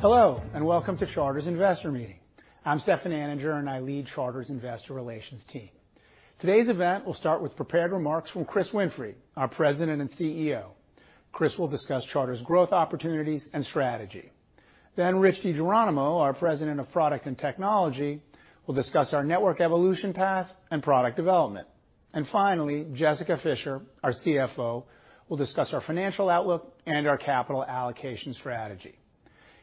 Hello, and welcome to Charter's Investor Meeting. I'm Stefan Anninger, and I lead Charter's Investor Relations team. Today's event will start with prepared remarks from Chris Winfrey, our President and CEO. Chris will discuss Charter's growth opportunities and strategy. Rich DiGeronimo, our President of Product and Technology, will discuss our network evolution path and product development. Finally, Jessica Fischer, our CFO, will discuss our financial outlook and our capital allocation strategy.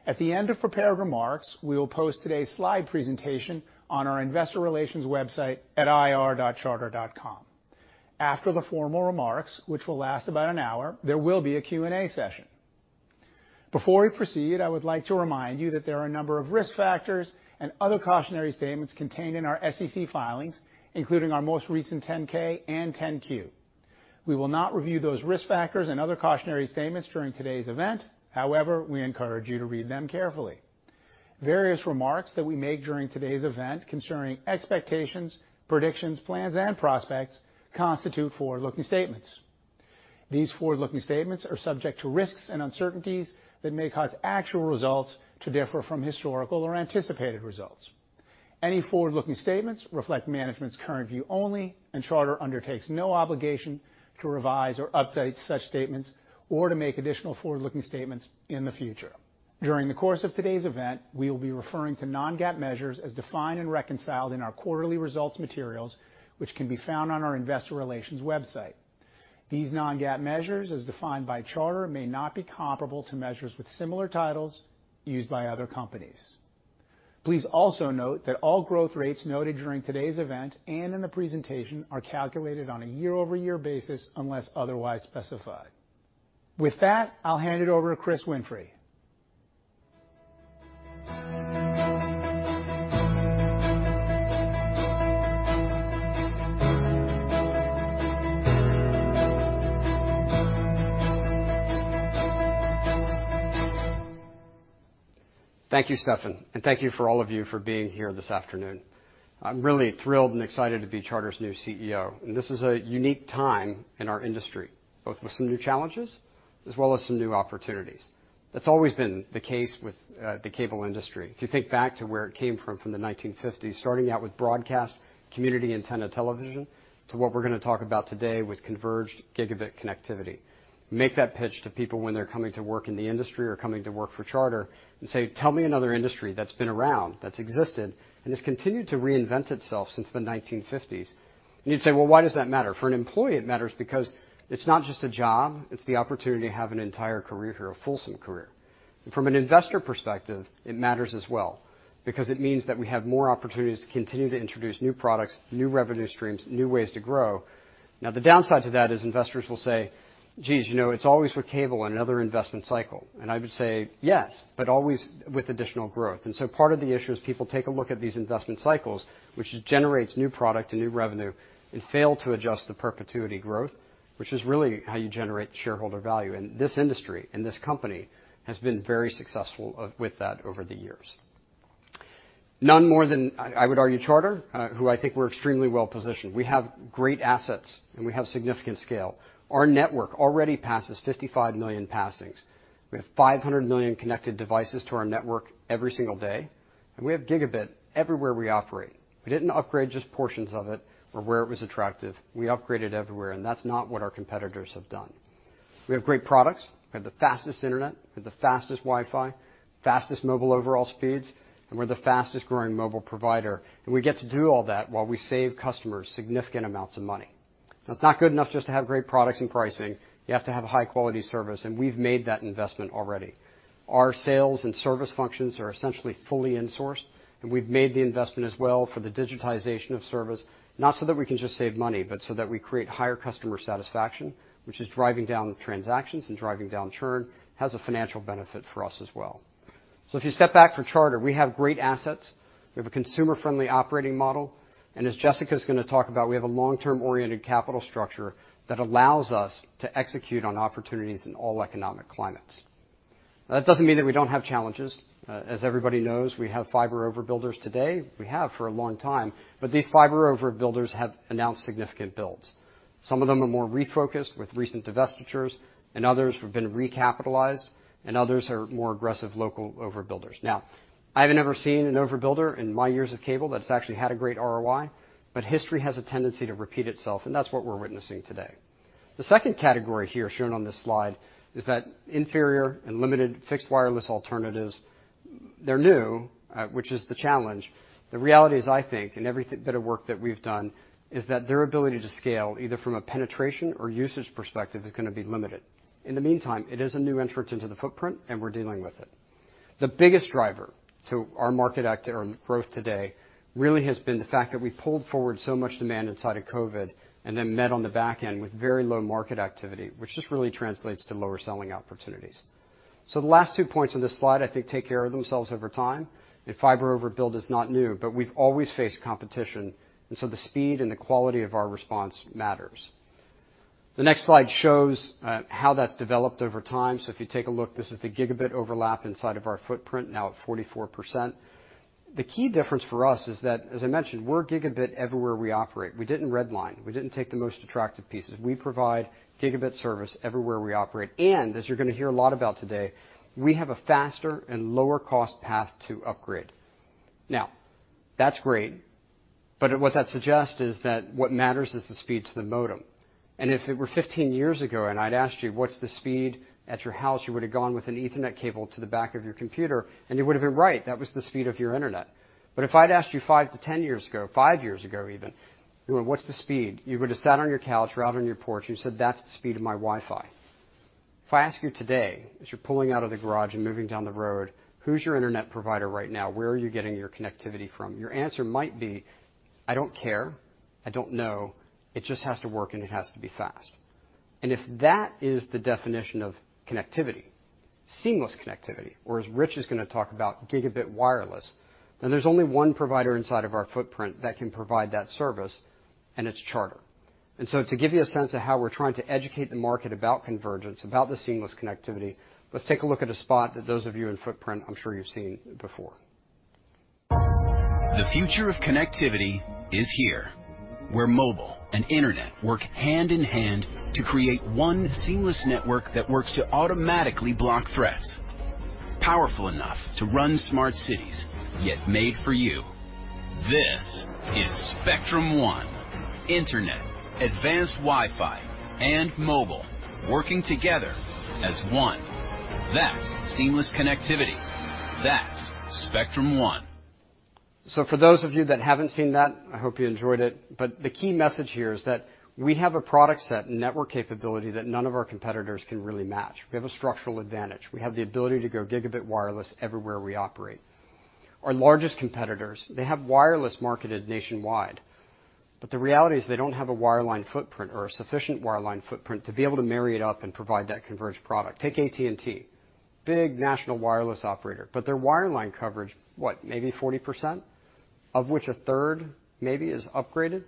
At the end of prepared remarks, we will post today's slide presentation on our Investor Relations website at ir.charter.com. After the formal remarks, which will last about an hour, there will be a Q&A session. Before we proceed, I would like to remind you that there are a number of risk factors and other cautionary statements contained in our SEC filings, including our most recent 10-K and 10-Q. We will not review those risk factors and other cautionary statements during today's event. However, we encourage you to read them carefully. Various remarks that we make during today's event concerning expectations, predictions, plans, and prospects constitute forward-looking statements. These forward-looking statements are subject to risks and uncertainties that may cause actual results to differ from historical or anticipated results. Any forward-looking statements reflect management's current view only, and Charter undertakes no obligation to revise or update such statements or to make additional forward-looking statements in the future. During the course of today's event, we will be referring to non-GAAP measures as defined and reconciled in our quarterly results materials, which can be found on our Investor Relations website. These non-GAAP measures, as defined by Charter, may not be comparable to measures with similar titles used by other companies. Please also note that all growth rates noted during today's event and in the presentation are calculated on a year-over-year basis unless otherwise specified. With that, I'll hand it over to Chris Winfrey. Thank you, Stefan Anninger, and thank you for all of you for being here this afternoon. I'm really thrilled and excited to be Charter's new CEO. This is a unique time in our industry, both with some new challenges as well as some new opportunities. That's always been the case with the cable industry. If you think back to where it came from from the 1950s, starting out with broadcast community antenna television to what we're gonna talk about today with converged Gb connectivity. Make that pitch to people when they're coming to work in the industry or coming to work for Charter and say, "Tell me another industry that's been around, that's existed, and has continued to reinvent itself since the 1950s." You'd say, "Well, why does that matter?" For an employee, it matters because it's not just a job, it's the opportunity to have an entire career here, a fulsome career. From an investor perspective, it matters as well because it means that we have more opportunities to continue to introduce new products, new revenue streams, new ways to grow. The downside to that is investors will say, "Geez, you know, it's always with cable and another investment cycle." I would say, "Yes, but always with additional growth." Part of the issue is people take a look at these investment cycles, which generates new product and new revenue, and fail to adjust the perpetuity growth, which is really how you generate shareholder value. This industry and this company has been very successful with that over the years. None more than I would argue, Charter, who I think we're extremely well positioned. We have great assets and we have significant scale. Our network already passes 55 million passings. We have 500 million connected devices to our network every single day, and we have Gb everywhere we operate. We didn't upgrade just portions of it or where it was attractive. We upgraded everywhere, and that's not what our competitors have done. We have great products. We have the fastest internet, we have the fastest Wi-Fi, fastest mobile overall speeds, and we're the fastest growing mobile provider, and we get to do all that while we save customers significant amounts of money. Now, it's not good enough just to have great products and pricing. You have to have a high quality service, and we've made that investment already. Our sales and service functions are essentially fully insourced, and we've made the investment as well for the digitization of service, not so that we can just save money, but so that we create higher customer satisfaction, which is driving down transactions and driving down churn. It has a financial benefit for us as well. If you step back for Charter, we have great assets. We have a consumer-friendly operating model. As Jessica's gonna talk about, we have a long-term oriented capital structure that allows us to execute on opportunities in all economic climates. That doesn't mean that we don't have challenges. As everybody knows, we have fiber overbuilders today. We have for a long time. These fiber overbuilders have announced significant builds. Some of them are more refocused with recent divestitures, and others have been recapitalized, and others are more aggressive local overbuilders. Now, I have never seen an overbuilder in my years of cable that's actually had a great ROI, but history has a tendency to repeat itself, and that's what we're witnessing today. The second category here shown on this slide is that inferior and limited fixed wireless alternatives, they're new, which is the challenge. The reality is, I think, in every bit of work that we've done, is that their ability to scale, either from a penetration or usage perspective, is gonna be limited. In the meantime, it is a new entrant into the footprint, and we're dealing with it. The biggest driver to our market act or growth today really has been the fact that we pulled forward so much demand inside of COVID and then met on the back end with very low market activity, which just really translates to lower selling opportunities. The last two points on this slide I think take care of themselves over time, and fiber overbuild is not new, but we've always faced competition, and so the speed and the quality of our response matters. The next slide shows how that's developed over time. If you take a look, this is the gigabyte overlap inside of our footprint now at 44%. The key difference for us is that, as I mentioned, we're Gb everywhere we operate. We didn't red line. We didn't take the most attractive pieces. We provide Gb service everywhere we operate. As you're gonna hear a lot about today, we have a faster and lower cost path to upgrade. That's great, but what that suggests is that what matters is the speed to the modem. If it were 15 years ago, and I'd asked you, what's the speed at your house? You would have gone with an Ethernet cable to the back of your computer, and you would have been right. That was the speed of your internet. If I'd asked you five to ten years ago, five years ago even, what's the speed? You would have sat on your couch or out on your porch, and you said, "That's the speed of my Wi-Fi." If I ask you today, as you're pulling out of the garage and moving down the road, who's your internet provider right now? Where are you getting your connectivity from? Your answer might be, I don't care. I don't know. It just has to work, and it has to be fast. If that is the definition of connectivity, seamless connectivity, or as Rich is going to talk about, Gb wireless, then there's only one provider inside of our footprint that can provide that service, and it's Charter. To give you a sense of how we're trying to educate the market about convergence, about the seamless connectivity, let's take a look at a spot that those of you in footprint, I'm sure you've seen before. The future of connectivity is here, where mobile and internet work hand in hand to create one seamless network that works to automatically block threats. Powerful enough to run smart cities, yet made for you. This is Spectrum One. Internet, Advanced WiFi, and mobile working together as one. That's seamless connectivity. That's Spectrum One. For those of you that haven't seen that, I hope you enjoyed it. The key message here is that we have a product set and network capability that none of our competitors can really match. We have a structural advantage. We have the ability to go Gb wireless everywhere we operate. Our largest competitors, they have wireless marketed nationwide, but the reality is they don't have a wireline footprint or a sufficient wireline footprint to be able to marry it up and provide that converged product. Take AT&T, big national wireless operator, their wireline coverage, what? Maybe 40%, of which a third maybe is upgraded.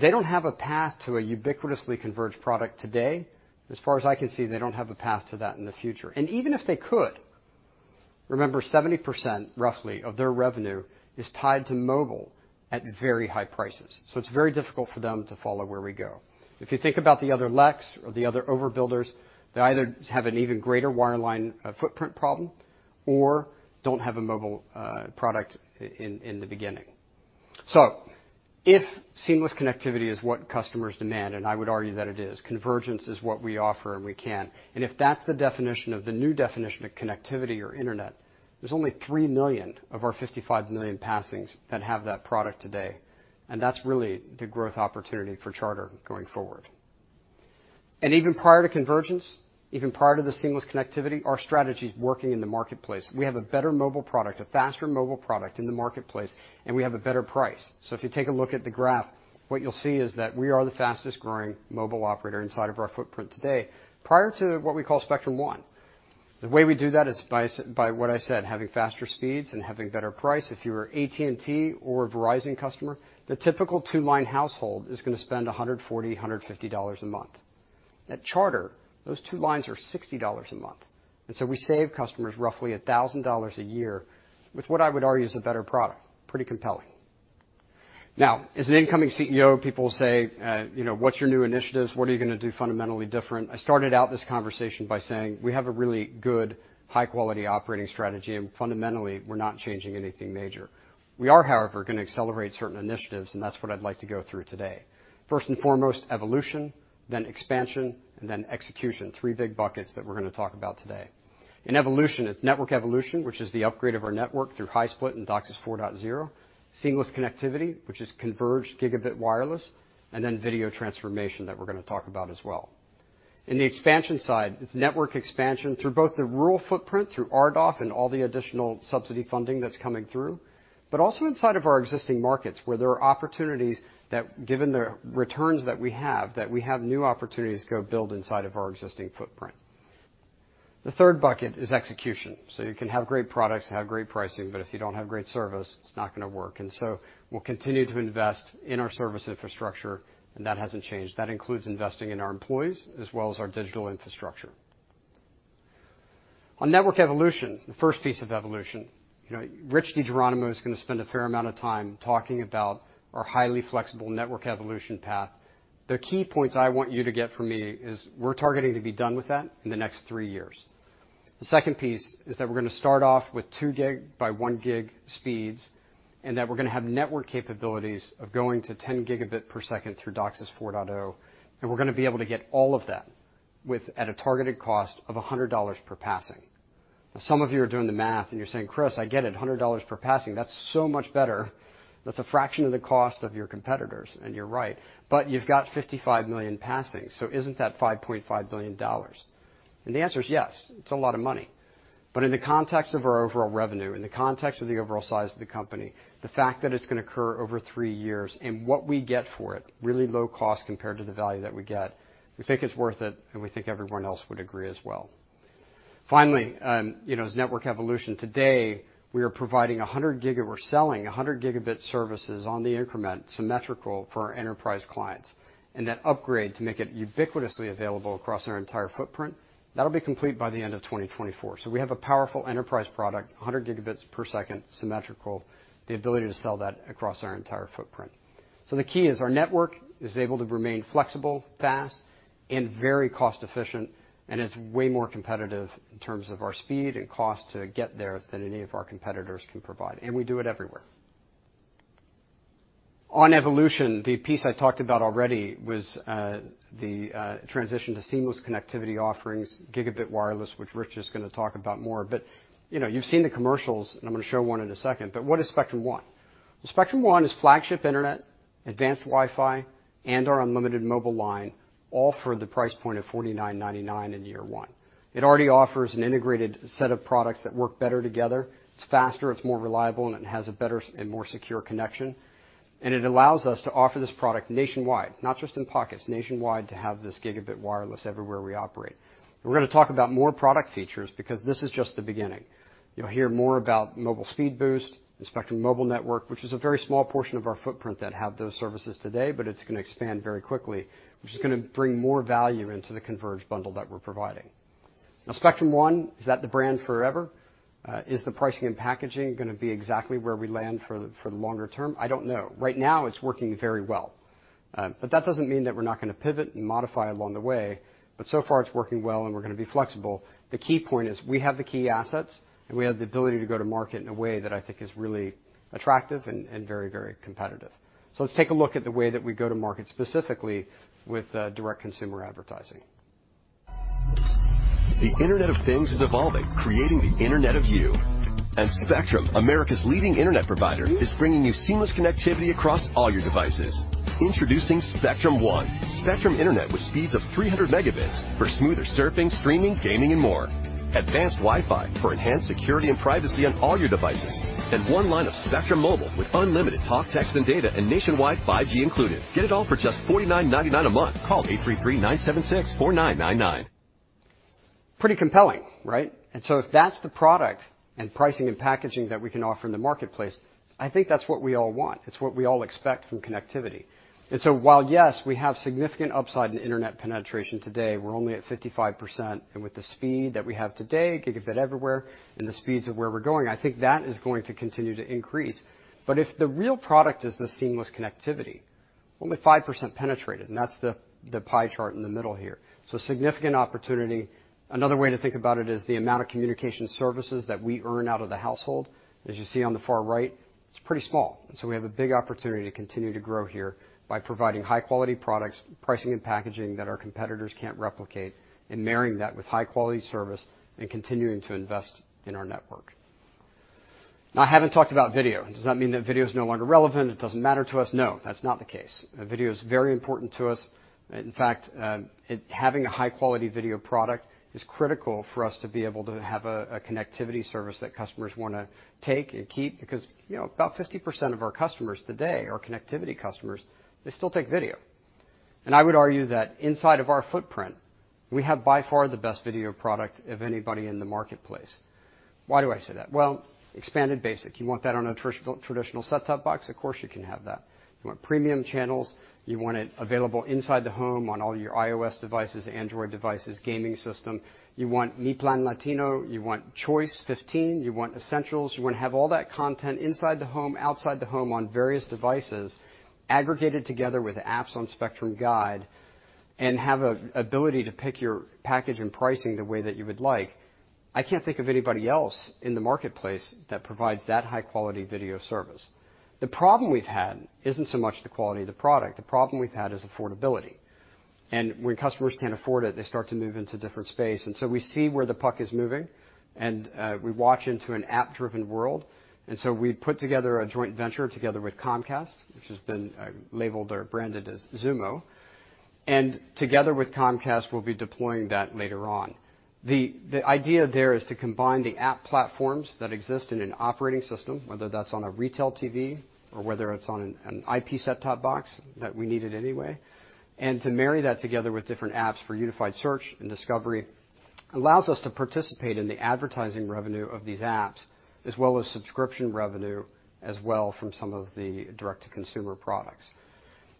They don't have a path to a ubiquitously converged product today. As far as I can see, they don't have a path to that in the future. Even if they could, remember 70% roughly of their revenue is tied to mobile at very high prices. It's very difficult for them to follow where we go. If you think about the other telcos or the other overbuilders, they either have an even greater wireline footprint problem or don't have a mobile product in the beginning. If seamless connectivity is what customers demand, and I would argue that it is, convergence is what we offer and we can. If that's the definition of the new definition of connectivity or internet, there's only 3 million of our 55 million passings that have that product today. That's really the growth opportunity for Charter going forward. Even prior to convergence, even prior to the seamless connectivity, our strategy is working in the marketplace. We have a better mobile product, a faster mobile product in the marketplace, and we have a better price. If you take a look at the graph, what you'll see is that we are the fastest-growing mobile operator inside of our footprint today prior to what we call Spectrum One. The way we do that is by what I said, having faster speeds and having better price. If you are AT&T or a Verizon customer, the typical two-line household is gonna spend $140, $150 a month. At Charter, those two lines are $60 a month. We save customers roughly $1,000 a year with what I would argue is a better product. Pretty compelling. Now, as an incoming CEO, people say, you know, "What's your new initiatives? What are you gonna do fundamentally different?" I started out this conversation by saying, we have a really good, high-quality operating strategy, and fundamentally, we're not changing anything major. We are, however, gonna accelerate certain initiatives, and that's what I'd like to go through today. First and foremost, evolution, then expansion, and then execution. Three big buckets that we're gonna talk about today. In evolution, it's network evolution, which is the upgrade of our network through high split and DOCSIS 4.0, seamless connectivity, which is converged Gb wireless, and then video transformation that we're gonna talk about as well. In the expansion side, it's network expansion through both the rural footprint, through RDOF and all the additional subsidy funding that's coming through. Also inside of our existing markets, where there are opportunities that given the returns that we have, that we have new opportunities to go build inside of our existing footprint. The third bucket is execution. You can have great products, have great pricing, but if you don't have great service, it's not going to work. We'll continue to invest in our service infrastructure, and that hasn't changed. That includes investing in our employees as well as our digital infrastructure. On network evolution, the first piece of evolution, you know, Rich DiGeronimo is going to spend a fair amount of time talking about our highly flexible network evolution path. The key points I want you to get from me is we're targeting to be done with that in the next three years. The second piece is that we're gonna start off with 2 gig by 1 gig speeds. We're gonna have network capabilities of going to 10 Gb per second through DOCSIS 4.0. We're gonna be able to get all of that at a targeted cost of $100 per passing. Some of you are doing the math and you're saying, "Chris, I get it. $100 per passing, that's so much better. That's a fraction of the cost of your competitors." You're right. You've got 55 million passings, isn't that $5.5 billion? The answer is yes, it's a lot of money. In the context of our overall revenue, in the context of the overall size of the company, the fact that it's gonna occur over three years and what we get for it, really low cost compared to the value that we get, we think it's worth it, and we think everyone else would agree as well. Finally, you know, as network evolution, today, We're selling 100 Gb services on the increment symmetrical for our enterprise clients. That upgrade to make it ubiquitously available across our entire footprint, that'll be complete by the end of 2024. We have a powerful enterprise product, 100 Gb per second symmetrical, the ability to sell that across our entire footprint. The key is our network is able to remain flexible, fast, and very cost efficient, and it's way more competitive in terms of our speed and cost to get there than any of our competitors can provide, and we do it everywhere. On evolution, the piece I talked about already was the transition to seamless connectivity offerings, Gb wireless, which Rich is gonna talk about more. You know, you've seen the commercials, and I'm gonna show one in a second, but what is Spectrum One? Well, Spectrum One is flagship internet, Advanced WiFi, and our unlimited mobile line, all for the price point of $49.99 in year 1. It already offers an integrated set of products that work better together. It's faster, it's more reliable, and it has a better and more secure connection. It allows us to offer this product nationwide, not just in pockets, nationwide to have this Gb wireless everywhere we operate. We're gonna talk about more product features because this is just the beginning. You'll hear more about Mobile Speed Boost, the Spectrum Mobile Network, which is a very small portion of our footprint that have those services today, but it's gonna expand very quickly, which is gonna bring more value into the converged bundle that we're providing. Now, Spectrum One, is that the brand forever? Is the pricing and packaging gonna be exactly where we land for the longer term? I don't know. Right now, it's working very well. That doesn't mean that we're not gonna pivot and modify along the way. So far, it's working well, and we're gonna be flexible. The key point is we have the key assets, and we have the ability to go to market in a way that I think is really attractive and very competitive. Let's take a look at the way that we go to market, specifically with direct consumer advertising. The Internet of Things is evolving, creating the Internet of You. Spectrum, America's leading internet provider, is bringing you seamless connectivity across all your devices. Introducing Spectrum One, Spectrum Internet with speeds of 300 Mbps for smoother surfing, streaming, gaming, and more. Advanced WiFi for enhanced security and privacy on all your devices. One line of Spectrum Mobile with unlimited talk, text, and data, and nationwide 5G included. Get it all for just $49.99 a month. Call 833-976-4999. Pretty compelling, right? If that's the product and pricing and packaging that we can offer in the marketplace, I think that's what we all want. It's what we all expect from connectivity. While, yes, we have significant upside in Internet penetration today, we're only at 55%. With the speed that we have today, Gigabit everywhere, and the speeds of where we're going, I think that is going to continue to increase. If the real product is the seamless connectivity, only 5% penetrated, and that's the pie chart in the middle here. Significant opportunity. Another way to think about it is the amount of communication services that we earn out of the household. As you see on the far right, it's pretty small. We have a big opportunity to continue to grow here by providing high-quality products, pricing, and packaging that our competitors can't replicate, and marrying that with high-quality service and continuing to invest in our network. I haven't talked about video. Does that mean that video is no longer relevant? It doesn't matter to us? No, that's not the case. Video is very important to us. In fact, having a high-quality video product is critical for us to be able to have a connectivity service that customers wanna take and keep because, you know, about 50% of our customers today, our connectivity customers, they still take video. I would argue that inside of our footprint, we have by far the best video product of anybody in the marketplace. Why do I say that? Expanded basic. You want that on a traditional set-top box? Of course, you can have that. You want premium channels, you want it available inside the home on all your iOS devices, Android devices, gaming system. You want Mi Plan Latino, you want Choice 15, you want Essentials, you wanna have all that content inside the home, outside the home on various devices, aggregated together with apps on Spectrum Guide and have a ability to pick your package and pricing the way that you would like. I can't think of anybody else in the marketplace that provides that high-quality video service. The problem we've had isn't so much the quality of the product. The problem we've had is affordability. When customers can't afford it, they start to move into different space. We see where the puck is moving, and we watch into an app-driven world. We put together a joint venture together with Comcast, which has been labeled or branded as Xumo. Together with Comcast, we'll be deploying that later on. The idea there is to combine the app platforms that exist in an operating system, whether that's on a retail TV or whether it's on an IP set-top box that we needed anyway. To marry that together with different apps for unified search and discovery allows us to participate in the advertising revenue of these apps, as well as subscription revenue, as well from some of the direct-to-consumer products.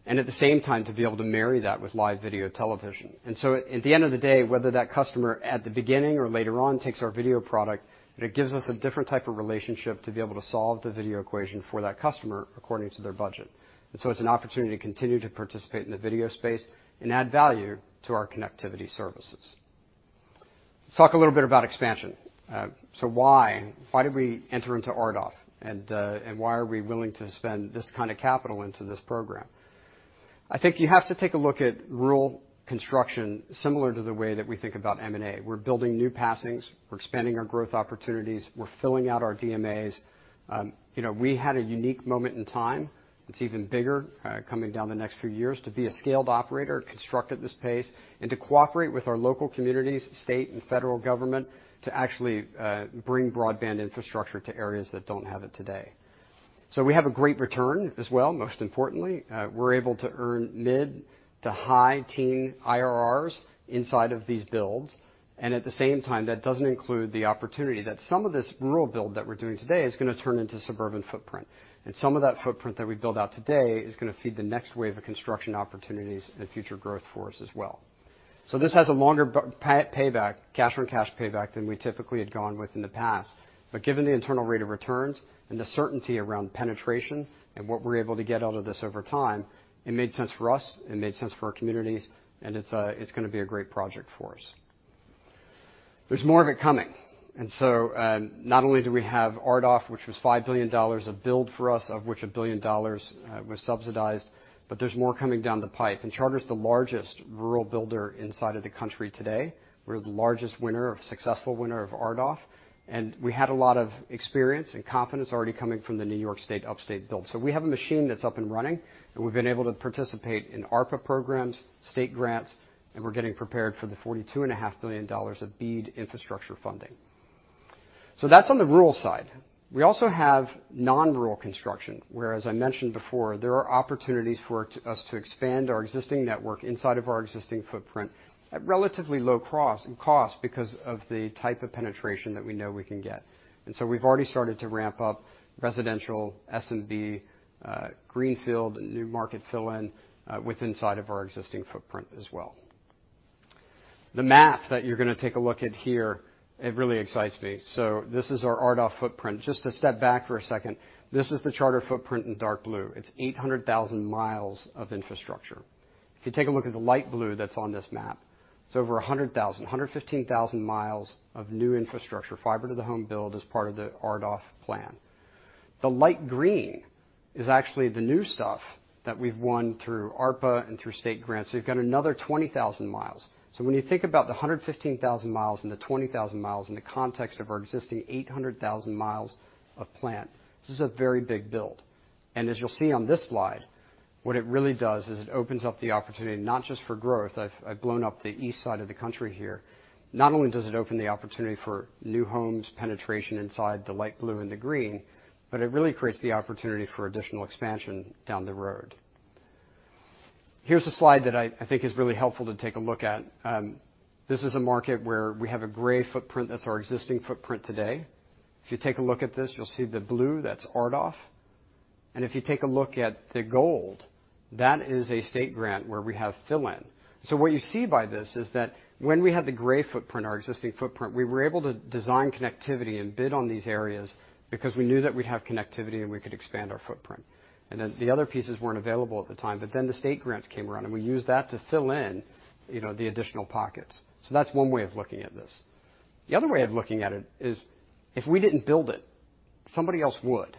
At the same time, to be able to marry that with live video television. At the end of the day, whether that customer at the beginning or later on takes our video product, it gives us a different type of relationship to be able to solve the video equation for that customer according to their budget. It's an opportunity to continue to participate in the video space and add value to our connectivity services. Let's talk a little bit about expansion. Why? Why did we enter into RDOF? Why are we willing to spend this kind of capital into this program? I think you have to take a look at rural construction similar to the way that we think about M&A. We're building new passings. We're expanding our growth opportunities. We're filling out our DMAs. You know, we had a unique moment in time. It's even bigger, coming down the next few years, to be a scaled operator, construct at this pace, and to cooperate with our local communities, state and federal government, to actually bring broadband infrastructure to areas that don't have it today. We have a great return as well, most importantly. We're able to earn mid to high teen IRRs inside of these builds. At the same time, that doesn't include the opportunity that some of this rural build that we're doing today is gonna turn into suburban footprint. Some of that footprint that we build out today is gonna feed the next wave of construction opportunities and future growth for us as well. This has a longer payback, cash-on-cash payback than we typically had gone with in the past. Given the internal rate of returns and the certainty around penetration and what we're able to get out of this over time, it made sense for us, it made sense for our communities, and it's gonna be a great project for us. There's more of it coming. Not only do we have RDOF, which was $5 billion of build for us, of which $1 billion was subsidized, but there's more coming down the pipe. Charter's the largest rural builder inside of the country today. We're the largest successful winner of RDOF, and we had a lot of experience and confidence already coming from the New York State upstate build. We have a machine that's up and running, and we've been able to participate in ARPA programs, state grants, and we're getting prepared for the $42.5 billion of BEAD infrastructure funding. That's on the rural side. We also have non-rural construction, where, as I mentioned before, there are opportunities for us to expand our existing network inside of our existing footprint at relatively low cost because of the type of penetration that we know we can get. We've already started to ramp up residential SMB, greenfield, new market fill-in, with inside of our existing footprint as well. The map that you're gonna take a look at here, it really excites me. This is our RDOF footprint. Just to step back for a second, this is the Charter footprint in dark blue. It's 800,000 mi of infrastructure. If you take a look at the light blue that's on this map, it's over 115,000 mi of new infrastructure, fiber to the home build as part of the RDOF plan. The light green is actually the new stuff that we've won through ARPA and through state grants, you've got another 20,000 mi. When you think about the 115,000 mi and the 20,000 mi in the context of our existing 800,000 mi of plant, this is a very big build. As you'll see on this slide, what it really does is it opens up the opportunity not just for growth. I've blown up the east side of the country here. Not only does it open the opportunity for new homes, penetration inside the light blue and the green, but it really creates the opportunity for additional expansion down the road. Here's a slide that I think is really helpful to take a look at. This is a market where we have a gray footprint. That's our existing footprint today. If you take a look at this, you'll see the blue. That's RDOF. If you take a look at the gold, that is a state grant where we have fill-in. What you see by this is that when we had the gray footprint, our existing footprint, we were able to design connectivity and bid on these areas because we knew that we'd have connectivity, and we could expand our footprint. The other pieces weren't available at the time, the state grants came around, and we used that to fill in, you know, the additional pockets. The other way of looking at it is, if we didn't build it, somebody else would.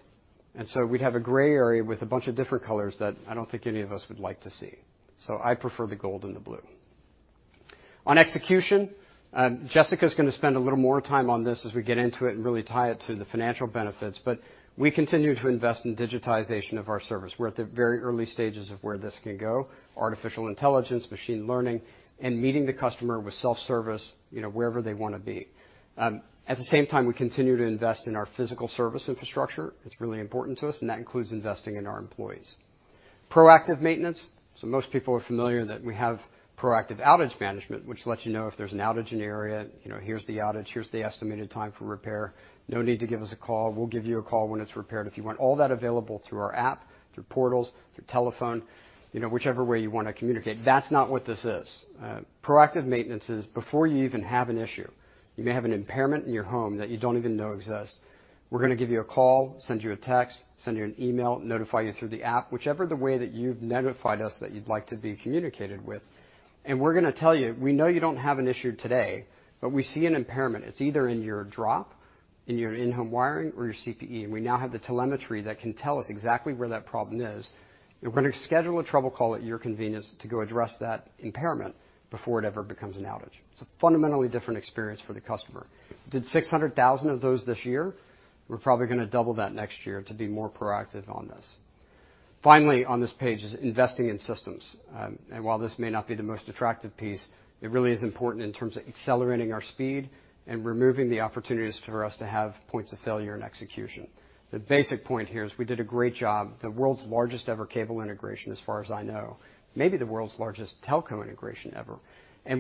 We'd have a gray area with a bunch of different colors that I don't think any of us would like to see. I prefer the gold and the blue. On execution, Jessica's gonna spend a little more time on this as we get into it and really tie it to the financial benefits, we continue to invest in digitization of our service. We're at the very early stages of where this can go, artificial intelligence, machine learning, and meeting the customer with self-service, you know, wherever they wanna be. At the same time, we continue to invest in our physical service infrastructure. It's really important to us. That includes investing in our employees. Proactive maintenance. Most people are familiar that we have proactive outage management, which lets you know if there's an outage in the area. You know, here's the outage, here's the estimated time for repair. No need to give us a call. We'll give you a call when it's repaired. If you want all that available through our app, through portals, through telephone, you know, whichever way you wanna communicate, that's not what this is. Proactive maintenance is before you even have an issue. You may have an impairment in your home that you don't even know exists. We're gonna give you a call, send you a text, send you an email, notify you through the app, whichever the way that you've notified us that you'd like to be communicated with. We're gonna tell you, we know you don't have an issue today, but we see an impairment. It's either in your drop, in your in-home wiring, or your CPE. We now have the telemetry that can tell us exactly where that problem is, and we're gonna schedule a trouble call at your convenience to go address that impairment before it ever becomes an outage. It's a fundamentally different experience for the customer. Did 600,000 of those this year. We're probably gonna double that next year to be more proactive on this. Finally, on this page is investing in systems. While this may not be the most attractive piece, it really is important in terms of accelerating our speed and removing the opportunities for us to have points of failure in execution. The basic point here is we did a great job, the world's largest ever cable integration, as far as I know, maybe the world's largest telco integration ever.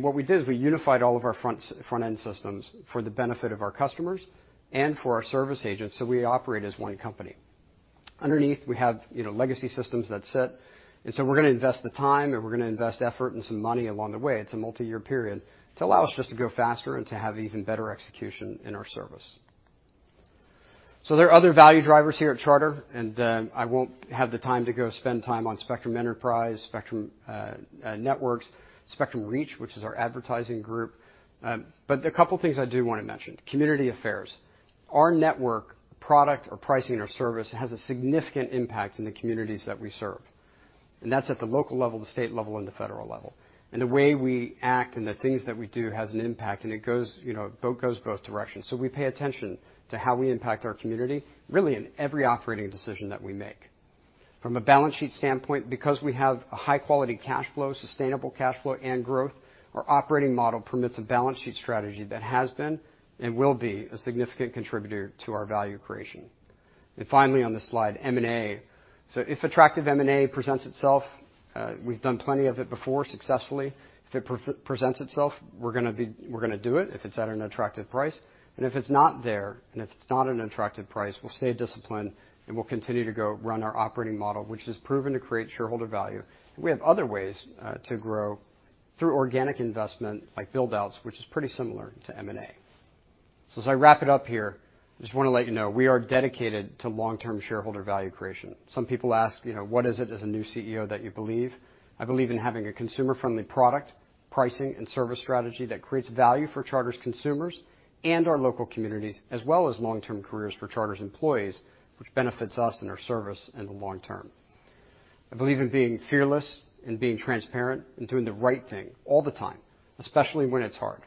What we did is we unified all of our front-end systems for the benefit of our customers and for our service agents, so we operate as one company. Underneath, we have, you know, legacy systems that sit, and so we're gonna invest the time, and we're gonna invest effort and some money along the way, it's a multi-year period, to allow us just to go faster and to have even better execution in our service. There are other value drivers here at Charter, and I won't have the time to go spend time on Spectrum Enterprise, Spectrum Networks, Spectrum Reach, which is our advertising group. A couple things I do wanna mention. Community affairs. Our network product or pricing or service has a significant impact in the communities that we serve, and that's at the local level, the state level, and the federal level. The way we act and the things that we do has an impact, and it goes, you know, it goes both directions. We pay attention to how we impact our community really in every operating decision that we make. From a balance sheet standpoint, because we have a high quality cash flow, sustainable cash flow, and growth, our operating model permits a balance sheet strategy that has been and will be a significant contributor to our value creation. Finally, on this slide, M&A. If attractive M&A presents itself, we've done plenty of it before successfully. If it presents itself, we're gonna do it, if it's at an attractive price. If it's not there, and if it's not an attractive price, we'll stay disciplined, and we'll continue to go run our operating model, which has proven to create shareholder value. We have other ways to grow through organic investment, like build-outs, which is pretty similar to M&A. As I wrap it up here, I just want to let you know, we are dedicated to long-term shareholder value creation. Some people ask, you know, "What is it as a new CEO that you believe?" I believe in having a consumer-friendly product, pricing and service strategy that creates value for Charter's consumers and our local communities, as well as long-term careers for Charter's employees, which benefits us in our service in the long term. I believe in being fearless and being transparent and doing the right thing all the time, especially when it's hard.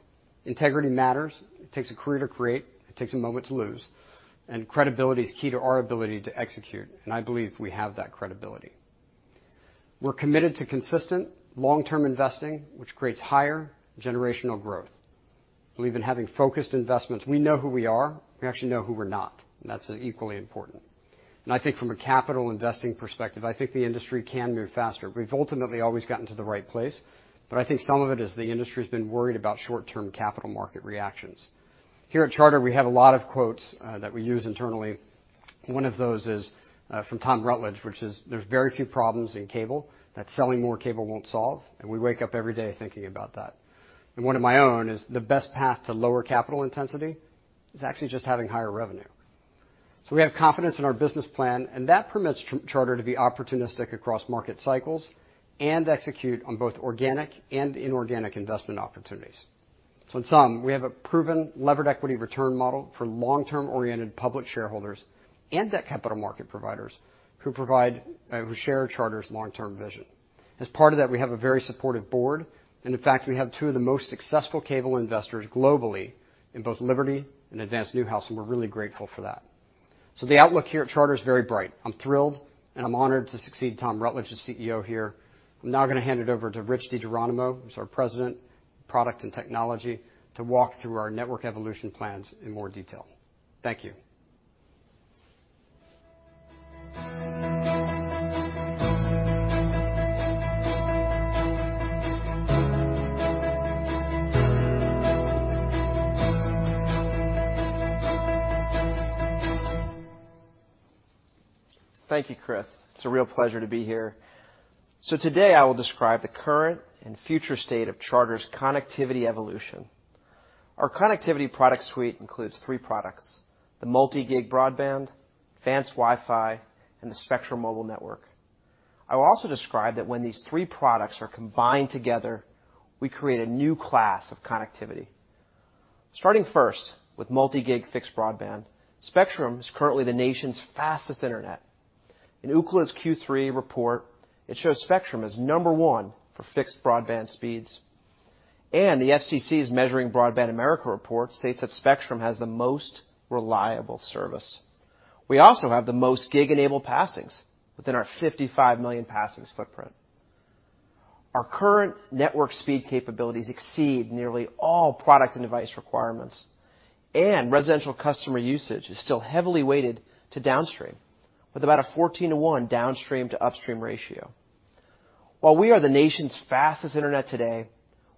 Integrity matters. It takes a career to create. It takes a moment to lose, and credibility is key to our ability to execute, and I believe we have that credibility. We're committed to consistent long-term investing, which creates higher generational growth. We believe in having focused investments. We know who we are. We actually know who we're not, and that's equally important. I think from a capital investing perspective, I think the industry can move faster. We've ultimately always gotten to the right place, but I think some of it is the industry's been worried about short-term capital market reactions. Here at Charter, we have a lot of quotes, that we use internally. One of those is, from Tom Rutledge, which is, "There's very few problems in cable that selling more cable won't solve," and we wake up every day thinking about that. One of my own is, the best path to lower capital intensity is actually just having higher revenue. We have confidence in our business plan, and that permits Charter to be opportunistic across market cycles and execute on both organic and inorganic investment opportunities. In sum, we have a proven levered equity return model for long-term oriented public shareholders and debt capital market providers who provide, who share Charter's long-term vision. As part of that, we have a very supportive board, and in fact, we have two of the most successful cable investors globally in both Liberty and Advance/Newhouse, and we're really grateful for that. The outlook here at Charter is very bright. I'm thrilled, and I'm honored to succeed Tom Rutledge as CEO here. I'm now gonna hand it over to Rich DiGeronimo, who's our President of Product and Technology, to walk through our network evolution plans in more detail. Thank you. Thank you, Chris. It's a real pleasure to be here. Today I will describe the current and future state of Charter's connectivity evolution. Our connectivity product suite includes 3 products, the multi-gig broadband, Advanced Wi-Fi, and the Spectrum Mobile Network. I will also describe that when these 3 products are combined together, we create a new class of connectivity. Starting first with multi-gig fixed broadband, Spectrum is currently the nation's fastest internet. In Ookla's Q3 report, it shows Spectrum is number 1 for fixed broadband speeds, and the FCC's Measuring Broadband America report states that Spectrum has the most reliable service. We also have the most gig-enabled passings within our 55 million passings footprint. Our current network speed capabilities exceed nearly all product and device requirements, and residential customer usage is still heavily weighted to downstream, with about a 14 to 1 downstream to upstream ratio. While we are the nation's fastest internet today,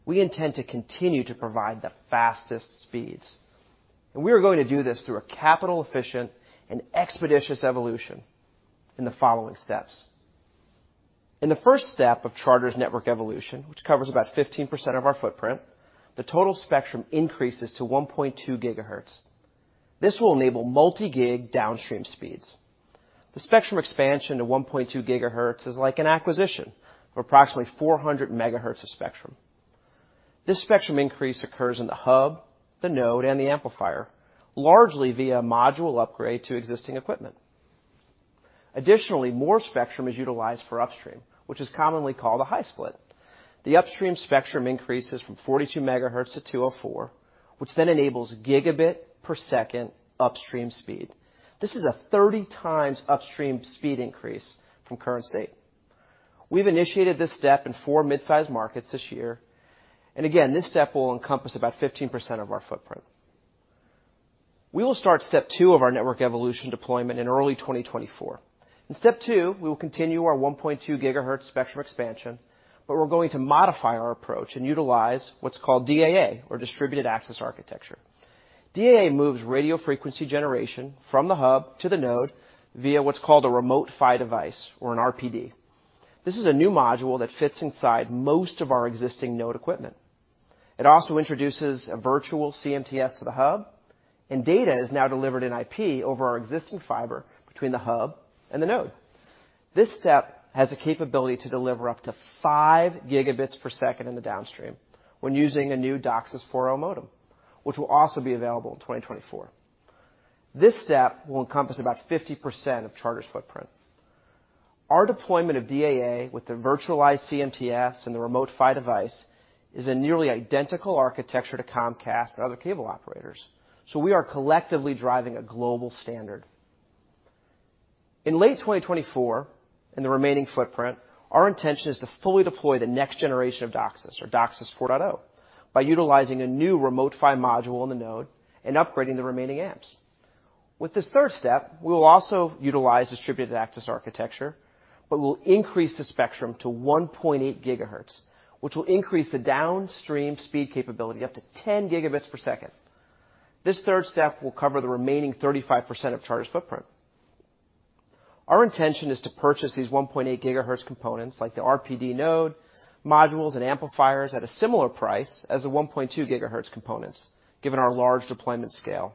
we intend to continue to provide the fastest speeds, and we are going to do this through a capital efficient and expeditious evolution in the following steps. In the first step of Charter's network evolution, which covers about 15% of our footprint, the total Spectrum increases to 1.2 GHz. This will enable multi-gig downstream speeds. The Spectrum expansion to 1.2 GHz is like an acquisition of approximately 400 MHz of Spectrum. This Spectrum increase occurs in the hub, the node, and the amplifier, largely via module upgrade to existing equipment. Additionally, more Spectrum is utilized for upstream, which is commonly called a high split. The upstream Spectrum increases from 42 MHz to 204 MHz, which then enables Gbps upstream speed. This is a 30 times upstream speed increase from current state. We've initiated this step in four mid-sized markets this year, and again, this step will encompass about 15% of our footprint. We will start step two of our network evolution deployment in early 2024. In step two, we will continue our 1.2 GHz Spectrum expansion, but we're going to modify our approach and utilize what's called DAA or Distributed Access Architecture. DAA moves radio frequency generation from the hub to the node via what's called a Remote PHY Device or an RPD. This is a new module that fits inside most of our existing node equipment. It also introduces a virtual CMTS to the hub, and data is now delivered in IP over our existing fiber between the hub and the node. This step has the capability to deliver up to 5 Gb per second in the downstream when using a new DOCSIS 4.0 modem, which will also be available in 2024. This step will encompass about 50% of Charter's footprint. Our deployment of DAA with the virtualized CMTS and the Remote PHY Device is a nearly identical architecture to Comcast and other cable operators. We are collectively driving a global standard. In late 2024, in the remaining footprint, our intention is to fully deploy the next generation of DOCSIS or DOCSIS 4.0, by utilizing a new Remote PHY module in the node and upgrading the remaining amps. With this third step, we will also utilize Distributed Access Architecture, but we'll increase the Spectrum to 1.8 GHz, which will increase the downstream speed capability up to 10 Gb per second. This third step will cover the remaining 35% of Charter's footprint. Our intention is to purchase these 1.8 GHz components, like the RPD node, modules, and amplifiers at a similar price as the 1.2 GHz components, given our large deployment scale.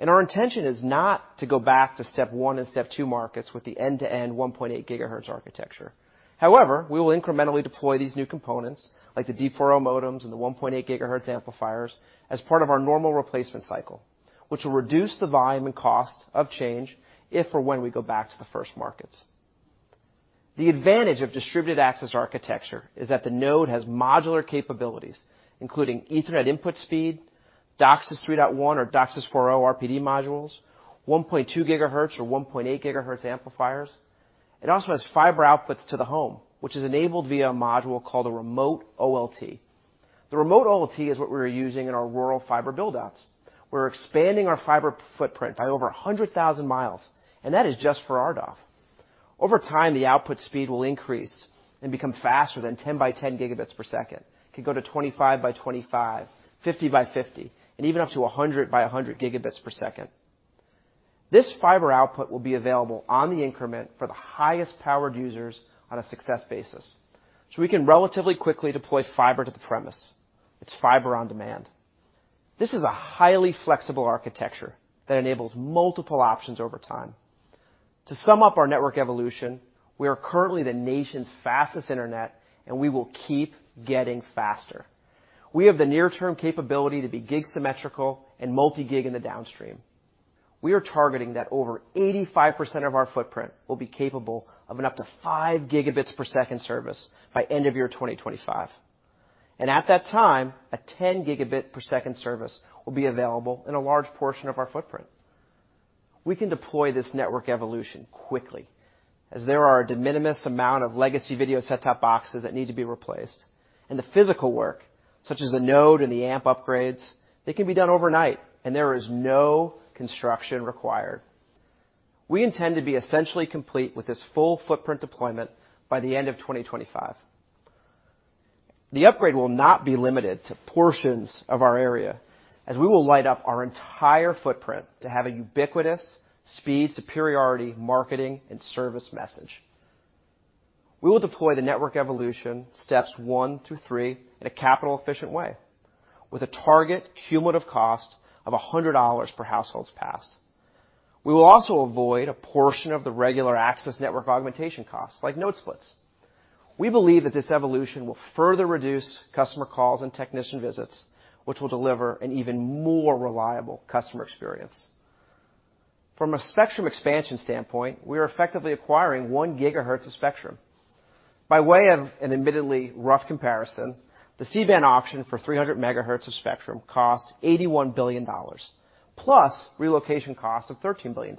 Our intention is not to go back to step one and step two markets with the end-to-end 1.8 GHz architecture. However, we will incrementally deploy these new components, like the D4.0 modems and the 1.8 GHz amplifiers, as part of our normal replacement cycle, which will reduce the volume and cost of change if or when we go back to the first markets. The advantage of Distributed Access Architecture is that the node has modular capabilities, including Ethernet input speed, DOCSIS 3.1 or DOCSIS 4.0 RPD modules, 1.2 GHz or 1.8 GHz amplifiers. It also has fiber outputs to the home, which is enabled via a module called a remote OLT. The remote OLT is what we're using in our rural fiber build-outs. We're expanding our fiber footprint by over 100,000 mi, and that is just for RDOF. Over time, the output speed will increase and become faster than 10 by 10 Gbps. It could go to 25 by 25, 50 by 50, and even up to 100 by 100 Gbps. This fiber output will be available on the increment for the highest powered users on a success basis, so we can relatively quickly deploy fiber to the premise. It's fiber on demand. This is a highly flexible architecture that enables multiple options over time. To sum up our network evolution, we are currently the nation's fastest internet, and we will keep getting faster. We have the near term capability to be gig symmetrical and multi-gig in the downstream. We are targeting that over 85% of our footprint will be capable of an up to 5 Gb per second service by end of year 2025. At that time, a 10 Gb per second service will be available in a large portion of our footprint. We can deploy this network evolution quickly as there are a de minimis amount of legacy video set-top boxes that need to be replaced. The physical work, such as the node and the amp upgrades, they can be done overnight. There is no construction required. We intend to be essentially complete with this full footprint deployment by the end of 2025. The upgrade will not be limited to portions of our area as we will light up our entire footprint to have a ubiquitous speed, superiority, marketing, and service message. We will deploy the network evolution steps one through three in a capital efficient way with a target cumulative cost of $100 per households passed. We will also avoid a portion of the regular access network augmentation costs like node splits. We believe that this evolution will further reduce customer calls and technician visits, which will deliver an even more reliable customer experience. From a Spectrum expansion standpoint, we are effectively acquiring 1 GHz of Spectrum. By way of an admittedly rough comparison, the C-band auction for 300 MHz of Spectrum cost $81 billion, plus relocation costs of $13 billion,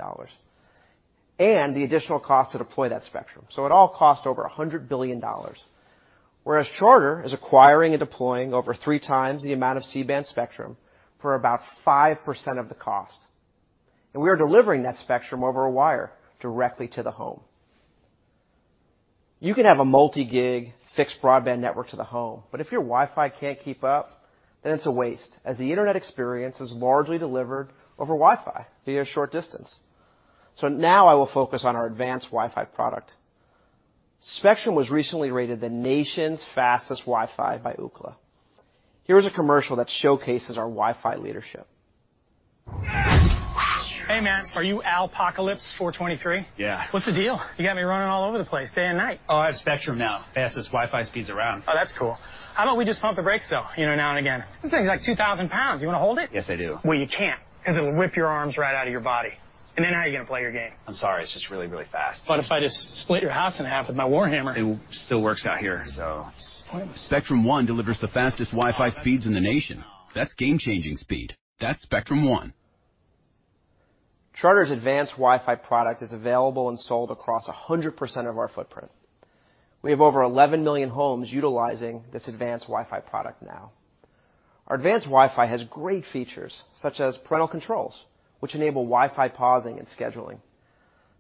and the additional cost to deploy that Spectrum. It all cost over $100 billion. Whereas Charter is acquiring and deploying over 3x the amount of C-band Spectrum for about 5% of the cost. We are delivering that Spectrum over a wire directly to the home. You can have a multi-gig fixed broadband network to the home, but if your Wi-Fi can't keep up, then it's a waste, as the internet experience is largely delivered over Wi-Fi via short distance. Now I will focus on our Advanced WiFi product. Spectrum was recently rated the nation's fastest Wi-Fi by Ookla. Here is a commercial that showcases our Wi-Fi leadership. Hey, man. Are you Alpocalypse four twenty-three? Yeah. What's the deal? You got me running all over the place day and night. Oh, I have Spectrum now. Fastest Wi-Fi speeds around. Oh, that's cool. How about we just pump the brakes, though, you know, now and again? This thing's like 2,000 pounds. You wanna hold it? Yes, I do. Well, you can't, 'cause it'll whip your arms right out of your body. Then how are you gonna play your game? I'm sorry. It's just really, really fast. What if I just split your house in half with my war hammer? It still works out here, so... Spectrum One delivers the fastest Wi-Fi speeds in the nation. That's game-changing speed. That's Spectrum One. Charter's Advanced WiFi product is available and sold across 100% of our footprint. We have over 11 million homes utilizing this Advanced WiFi product now. Our Advanced WiFi has great features such as parental controls, which enable WiFi pausing and scheduling.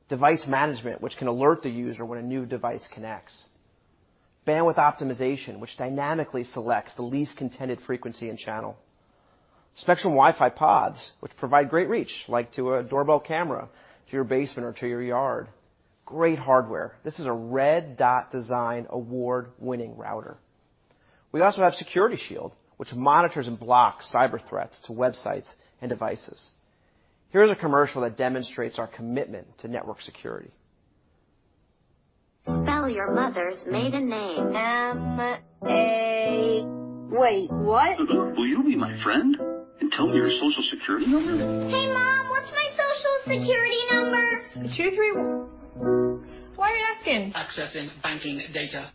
Device management, which can alert the user when a new device connects. Bandwidth optimization, which dynamically selects the least contented frequency and channel. Spectrum WiFi Pods, which provide great reach, like to a doorbell camera, to your basement or to your yard. Great hardware. This is a Red Dot Design Award-winning router. We also have Security Shield, which monitors and blocks cyber threats to websites and devices. Here is a commercial that demonstrates our commitment to network security. Spell your mother's maiden name. M&A... Wait, what? Will you be my friend and tell me your Social Security number? Hey, Mom! Social Security number? 231. Why are you asking? Accessing banking data.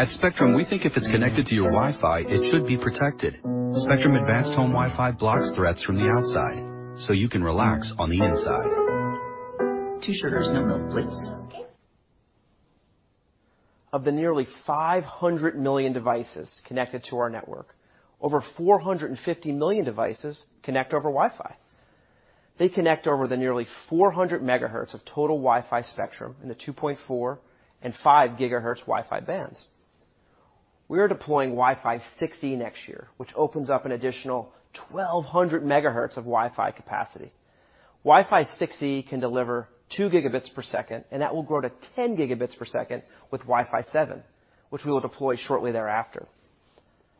At Spectrum, we think if it's connected to your Wi-Fi, it should be protected. Spectrum Advanced Home Wi-Fi blocks threats from the outside so you can relax on the inside. Two sugars, no milk, please. Okay. Of the nearly 500 million devices connected to our network, over 450 million devices connect over Wi-Fi. They connect over the nearly 400 MHz of total Wi-Fi Spectrum in the 2.4 and 5 GHz Wi-Fi bands. We are deploying Wi-Fi 6E next year, which opens up an additional 1,200 MHz of Wi-Fi capacity. Wi-Fi 6E can deliver 2 Gb per second, and that will grow to 10 Gb per second with Wi-Fi 7, which we will deploy shortly thereafter.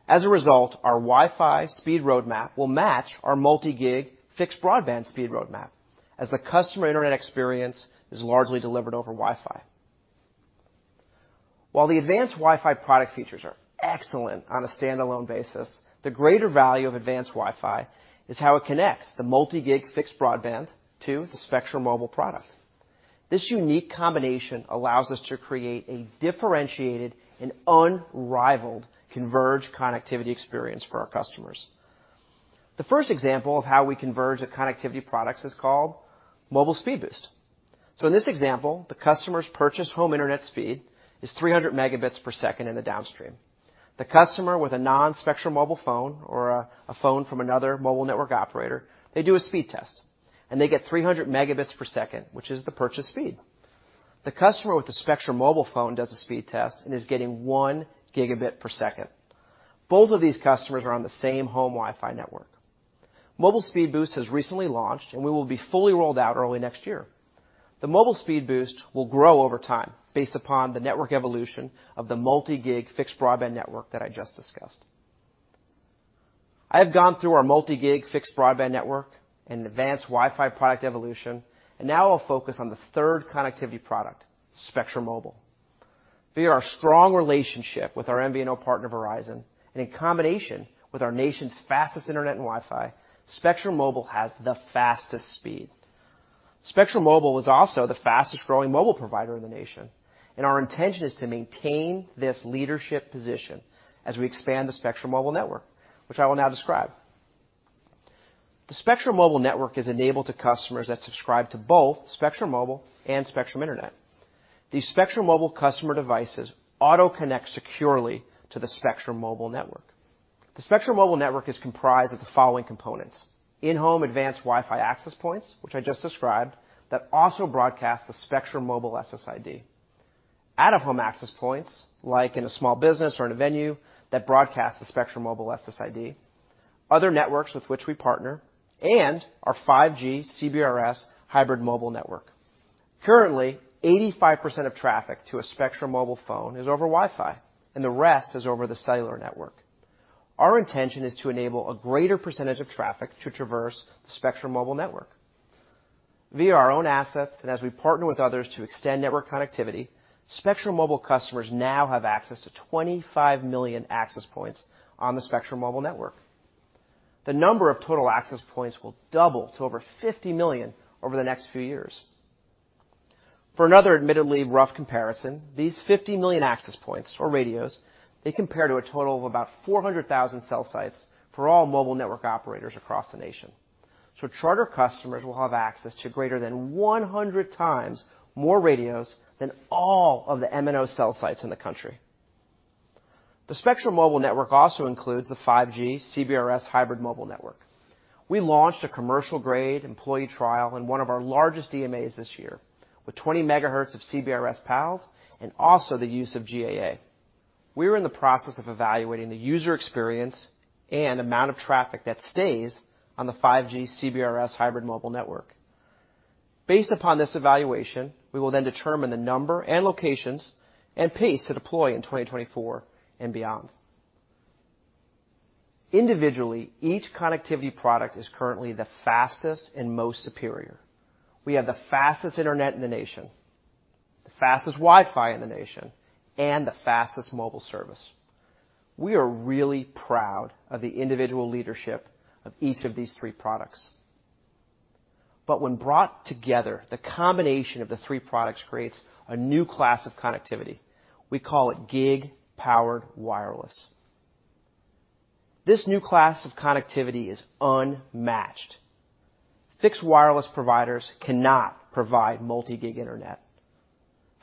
Our Wi-Fi speed roadmap will match our multi-gig fixed broadband speed roadmap as the customer internet experience is largely delivered over Wi-Fi. While the Advanced Wi-Fi product features are excellent on a standalone basis, the greater value of Advanced Wi-Fi is how it connects the multi-gig fixed broadband to the Spectrum Mobile product. This unique combination allows us to create a differentiated and unrivaled converged connectivity experience for our customers. The first example of how we converge the connectivity products is called Mobile Speed Boost. In this example, the customer's purchase home Internet speed is 300 Mbps per second in the downstream. The customer with a non-Spectrum Mobile phone or a phone from another mobile network operator, they do a speed test, and they get 300 Mbps per second, which is the purchase speed. The customer with the Spectrum Mobile phone does a speed test and is getting 1 Gb per second. Both of these customers are on the same home Wi-Fi network. Mobile Speed Boost has recently launched, and we will be fully rolled out early next year. The Mobile Speed Boost will grow over time based upon the network evolution of the multi-gig fixed broadband network that I just discussed. I have gone through our multi-gig fixed broadband network and Advanced WiFi product evolution, now I'll focus on the third connectivity product, Spectrum Mobile. Via our strong relationship with our MVNO partner, Verizon, and in combination with our nation's fastest Internet and Wi-Fi, Spectrum Mobile has the fastest speed. Spectrum Mobile was also the fastest growing mobile provider in the nation, our intention is to maintain this leadership position as we expand the Spectrum Mobile Network, which I will now describe. The Spectrum Mobile Network is enabled to customers that subscribe to both Spectrum Mobile and Spectrum Internet. These Spectrum Mobile customer devices auto connect securely to the Spectrum Mobile Network. The Spectrum Mobile Network is comprised of the following components: in-home Advanced WiFi access points, which I just described, that also broadcast the Spectrum Mobile SSID, out-of-home access points, like in a small business or in a venue that broadcasts the Spectrum Mobile SSID, other networks with which we partner, and our 5G CBRS hybrid mobile network. Currently, 85% of traffic to a Spectrum Mobile phone is over Wi-Fi and the rest is over the cellular network. Our intention is to enable a greater percentage of traffic to traverse the Spectrum Mobile Network. Via our own assets and as we partner with others to extend network connectivity, Spectrum Mobile customers now have access to 25 million access points on the Spectrum Mobile Network. The number of total access points will double to over 50 million over the next few years. For another admittedly rough comparison, these 50 million access points or radios, they compare to a total of about 400,000 cell sites for all mobile network operators across the nation. Charter customers will have access to greater than 100x more radios than all of the MNO cell sites in the country. The Spectrum Mobile network also includes the 5G CBRS hybrid mobile network. We launched a commercial grade employee trial in one of our largest DMAs this year with 20 MHz of CBRS PALs and also the use of GAA. We are in the process of evaluating the user experience and amount of traffic that stays on the 5G CBRS hybrid mobile network. Based upon this evaluation, we will determine the number and locations and pace to deploy in 2024 and beyond. Individually, each connectivity product is currently the fastest and most superior. We have the fastest Internet in the nation, the fastest Wi-Fi in the nation, and the fastest mobile service. We are really proud of the individual leadership of each of these three products. When brought together, the combination of the three products creates a new class of connectivity. We call it Gig-Powered Wireless. This new class of connectivity is unmatched. Fixed wireless providers cannot provide multi-gig Internet.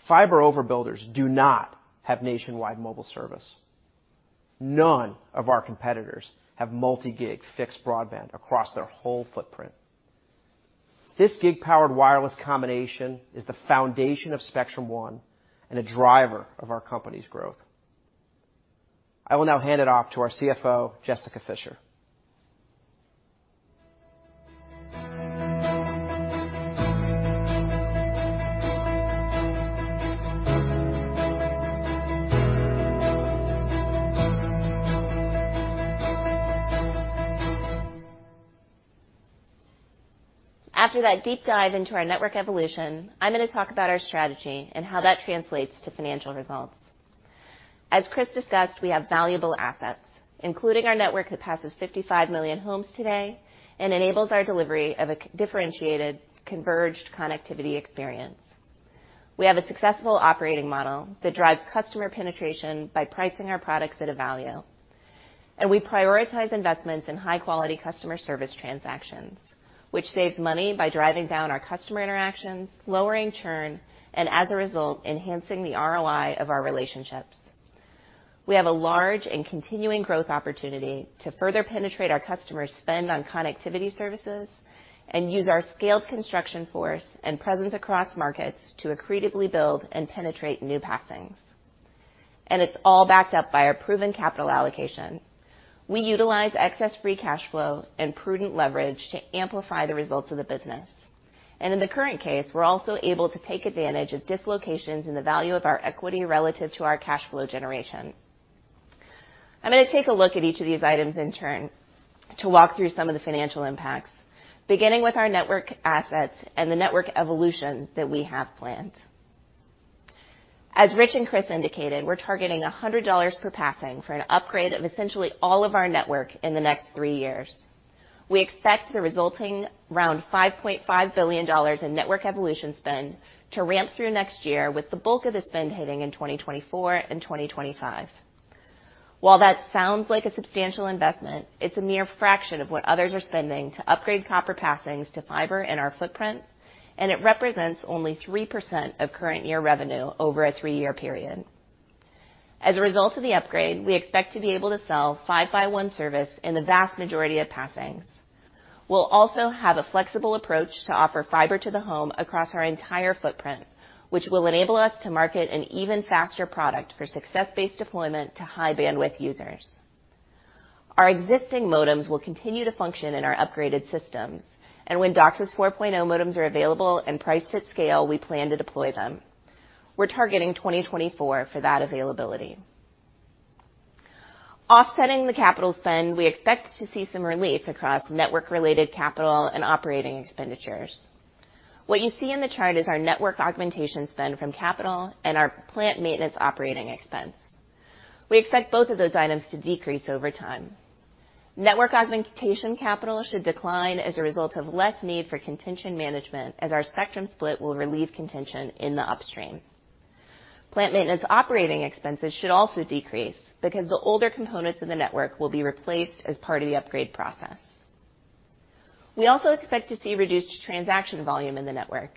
Fiber overbuilders do not have nationwide mobile service. None of our competitors have multi-gig fixed broadband across their whole footprint. This Gig-Powered Wireless combination is the foundation of Spectrum One and a driver of our company's growth. I will now hand it off to our CFO, Jessica Fischer. After that deep dive into our network evolution, I'm gonna talk about our strategy and how that translates to financial results. As Chris discussed, we have valuable assets, including our network that passes 55 million homes today and enables our delivery of a differentiated converged connectivity experience. We have a successful operating model that drives customer penetration by pricing our products at a value. We prioritize investments in high-quality customer service transactions, which saves money by driving down our customer interactions, lowering churn, and as a result, enhancing the ROI of our relationships. We have a large and continuing growth opportunity to further penetrate our customers' spend on connectivity services and use our scaled construction force and presence across markets to accretively build and penetrate new passings. It's all backed up by our proven capital allocation. We utilize excess free cash flow and prudent leverage to amplify the results of the business. In the current case, we're also able to take advantage of dislocations in the value of our equity relative to our cash flow generation. I'm gonna take a look at each of these items in turn to walk through some of the financial impacts, beginning with our network assets and the network evolution that we have planned. As Rich and Chris indicated, we're targeting $100 per passing for an upgrade of essentially all of our network in the next three years. We expect the resulting around $5.5 billion in network evolution spend to ramp through next year with the bulk of the spend hitting in 2024 and 2025. While that sounds like a substantial investment, it's a mere fraction of what others are spending to upgrade copper passings to fiber in our footprint, and it represents only 3% of current year revenue over a 3-year period. As a result of the upgrade, we expect to be able to sell 5-by-1 service in the vast majority of passings. We'll also have a flexible approach to offer fiber to the home across our entire footprint, which will enable us to market an even faster product for success-based deployment to high bandwidth users. Our existing modems will continue to function in our upgraded systems. When DOCSIS 4.0 modems are available and priced at scale, we plan to deploy them. We're targeting 2024 for that availability. Offsetting the capital spend, we expect to see some relief across network-related capital and operating expenditures. What you see in the chart is our network augmentation spend from capital and our plant maintenance operating expense. We expect both of those items to decrease over time. Network augmentation capital should decline as a result of less need for contention management as our Spectrum split will relieve contention in the upstream. Plant maintenance operating expenses should also decrease because the older components of the network will be replaced as part of the upgrade process. We also expect to see reduced transaction volume in the network.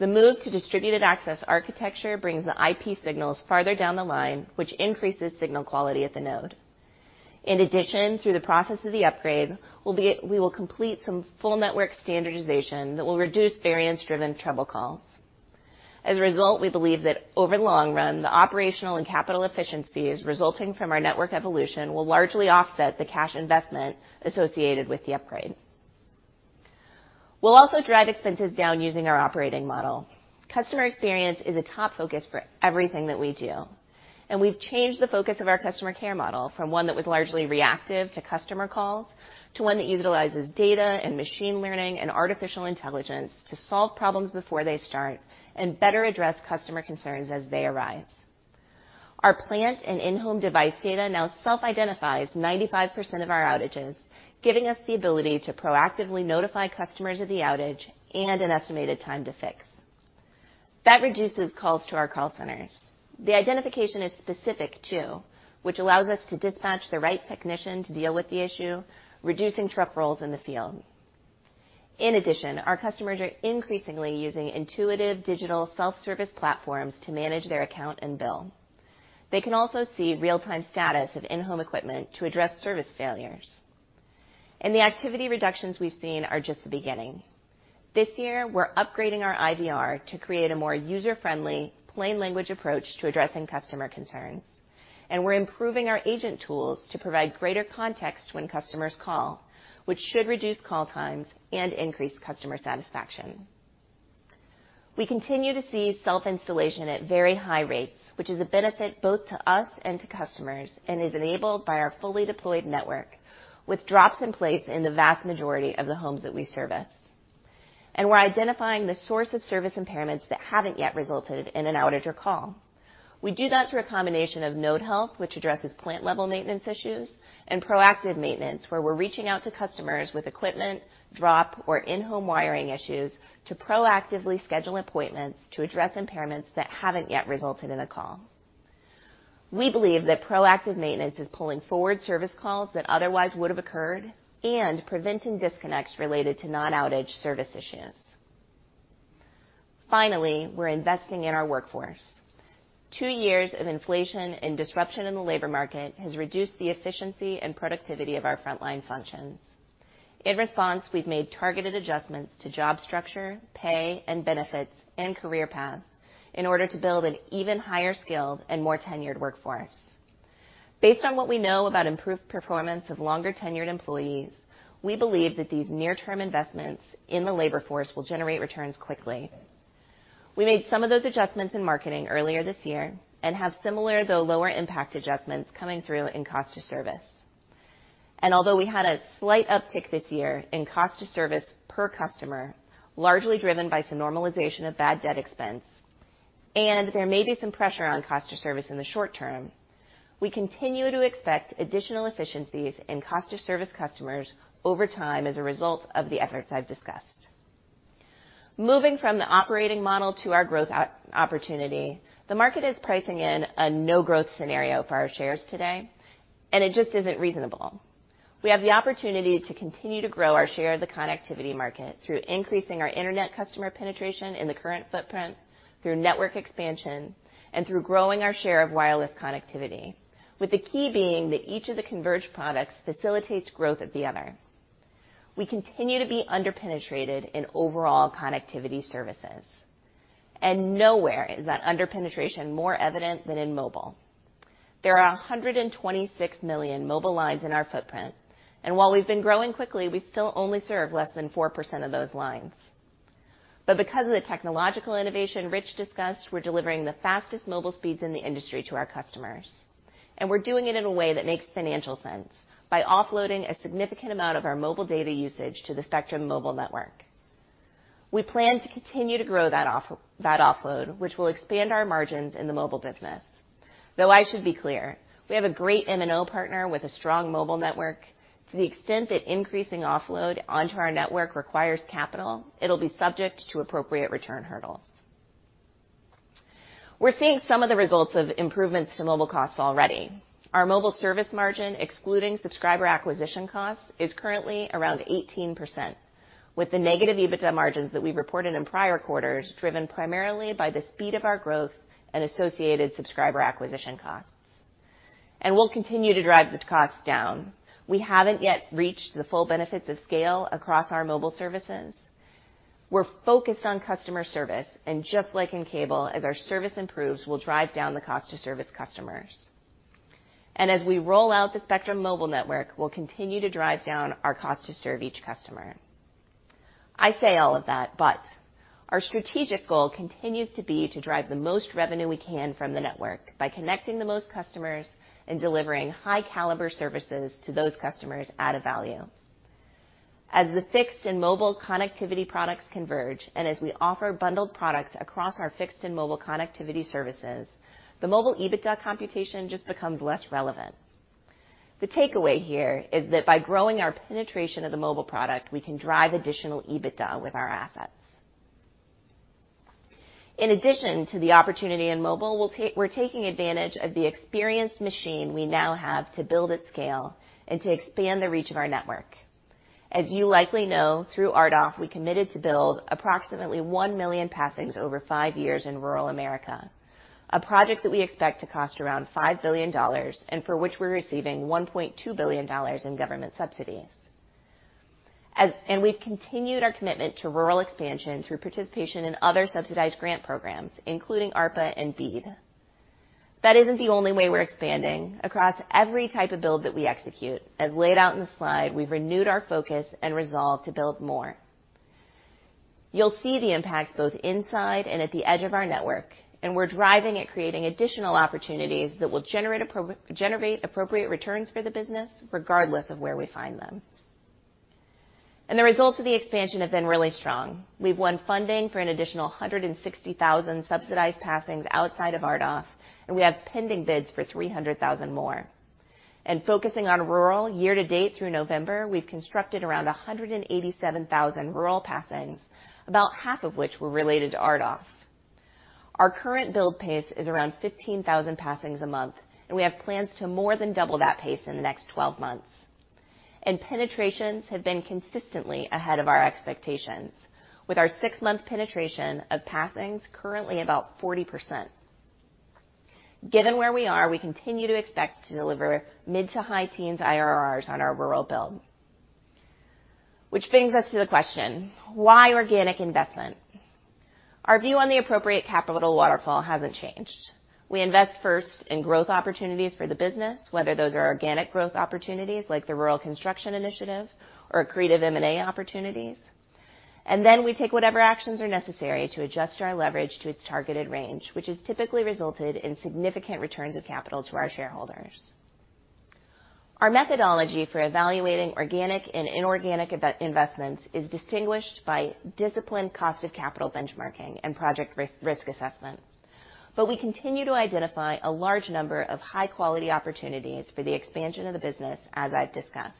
The move to Distributed Access Architecture brings the IP signals farther down the line, which increases signal quality at the node. In addition, through the process of the upgrade, we will complete some full network standardization that will reduce variance-driven trouble calls. As a result, we believe that over the long run, the operational and capital efficiencies resulting from our network evolution will largely offset the cash investment associated with the upgrade. We'll also drive expenses down using our operating model. Customer experience is a top focus for everything that we do. We've changed the focus of our customer care model from one that was largely reactive to customer calls to one that utilizes data and machine learning and artificial intelligence to solve problems before they start and better address customer concerns as they arise. Our plant and in-home device data now self-identifies 95% of our outages, giving us the ability to proactively notify customers of the outage and an estimated time to fix. That reduces calls to our call centers. The identification is specific, too, which allows us to dispatch the right technician to deal with the issue, reducing truck rolls in the field. In addition, our customers are increasingly using intuitive digital self-service platforms to manage their account and bill. They can also see real-time status of in-home equipment to address service failures. The activity reductions we've seen are just the beginning. This year, we're upgrading our IVR to create a more user-friendly, plain language approach to addressing customer concerns, and we're improving our agent tools to provide greater context when customers call, which should reduce call times and increase customer satisfaction. We continue to see self-installation at very high rates, which is a benefit both to us and to customers and is enabled by our fully deployed network with drops in place in the vast majority of the homes that we service. We're identifying the source of service impairments that haven't yet resulted in an outage or call. We do that through a combination of node health, which addresses plant-level maintenance issues, and proactive maintenance, where we're reaching out to customers with equipment, drop, or in-home wiring issues to proactively schedule appointments to address impairments that haven't yet resulted in a call. We believe that proactive maintenance is pulling forward service calls that otherwise would have occurred and preventing disconnects related to non-outage service issues. Finally, we're investing in our workforce. Two years of inflation and disruption in the labor market has reduced the efficiency and productivity of our frontline functions. In response, we've made targeted adjustments to job structure, pay, and benefits, and career path in order to build an even higher skilled and more tenured workforce. Based on what we know about improved performance of longer-tenured employees, we believe that these near-term investments in the labor force will generate returns quickly. We made some of those adjustments in marketing earlier this year and have similar, though lower impact adjustments coming through in cost to service. Although we had a slight uptick this year in cost to service per customer, largely driven by some normalization of bad debt expense, and there may be some pressure on cost to service in the short term, we continue to expect additional efficiencies in cost to service customers over time as a result of the efforts I've discussed. Moving from the operating model to our growth op-opportunity, the market is pricing in a no-growth scenario for our shares today, and it just isn't reasonable. We have the opportunity to continue to grow our share of the connectivity market through increasing our internet customer penetration in the current footprint through network expansion and through growing our share of wireless connectivity, with the key being that each of the converged products facilitates growth of the other. We continue to be under-penetrated in overall connectivity services, and nowhere is that under-penetration more evident than in mobile. There are 126 million mobile lines in our footprint, and while we've been growing quickly, we still only serve less than 4% of those lines. Because of the technological innovation Rich discussed, we're delivering the fastest mobile speeds in the industry to our customers, and we're doing it in a way that makes financial sense, by offloading a significant amount of our mobile data usage to the Spectrum Mobile Network. We plan to continue to grow that offload, which will expand our margins in the mobile business. I should be clear, we have a great MVNO partner with a strong mobile network. To the extent that increasing offload onto our network requires capital, it'll be subject to appropriate return hurdles. We're seeing some of the results of improvements to mobile costs already. Our mobile service margin, excluding subscriber acquisition costs, is currently around 18%, with the negative EBITDA margins that we reported in prior quarters driven primarily by the speed of our growth and associated subscriber acquisition costs. We'll continue to drive the costs down. We haven't yet reached the full benefits of scale across our mobile services. We're focused on customer service, and just like in cable, as our service improves, we'll drive down the cost to service customers. As we roll out the Spectrum Mobile Network, we'll continue to drive down our cost to serve each customer. I say all of that, our strategic goal continues to be to drive the most revenue we can from the network by connecting the most customers and delivering high-caliber services to those customers at a value. As the fixed and mobile connectivity products converge, and as we offer bundled products across our fixed and mobile connectivity services, the mobile EBITDA computation just becomes less relevant. The takeaway here is that by growing our penetration of the mobile product, we can drive additional EBITDA with our assets. In addition to the opportunity in mobile, we're taking advantage of the experienced machine we now have to build at scale and to expand the reach of our network. As you likely know, through RDOF, we committed to build approximately 1 million passings over five years in rural America, a project that we expect to cost around $5 billion, and for which we're receiving $1.2 billion in government subsidies. We've continued our commitment to rural expansion through participation in other subsidized grant programs, including ARPA and BEAD. That isn't the only way we're expanding. Across every type of build that we execute, as laid out in the slide, we've renewed our focus and resolve to build more. You'll see the impacts both inside and at the edge of our network, and we're driving at creating additional opportunities that will generate appropriate returns for the business, regardless of where we find them. The results of the expansion have been really strong. We've won funding for an additional 160,000 subsidized passings outside of RDOF, we have pending bids for 300,000 more. Focusing on rural year-to-date through November, we've constructed around 187,000 rural passings, about half of which were related to RDOF. Our current build pace is around 15,000 passings a month, and we have plans to more than double that pace in the next 12 months. Penetrations have been consistently ahead of our expectations, with our six-month penetration of passings currently about 40%. Given where we are, we continue to expect to deliver mid to high teens IRRs on our rural build. Which brings us to the question: Why organic investment? Our view on the appropriate capital waterfall hasn't changed. We invest first in growth opportunities for the business, whether those are organic growth opportunities like the Rural Construction Initiative or accretive M&A opportunities. Then we take whatever actions are necessary to adjust our leverage to its targeted range, which has typically resulted in significant returns of capital to our shareholders. Our methodology for evaluating organic and inorganic investments is distinguished by disciplined cost of capital benchmarking and project risk assessment. We continue to identify a large number of high-quality opportunities for the expansion of the business, as I've discussed.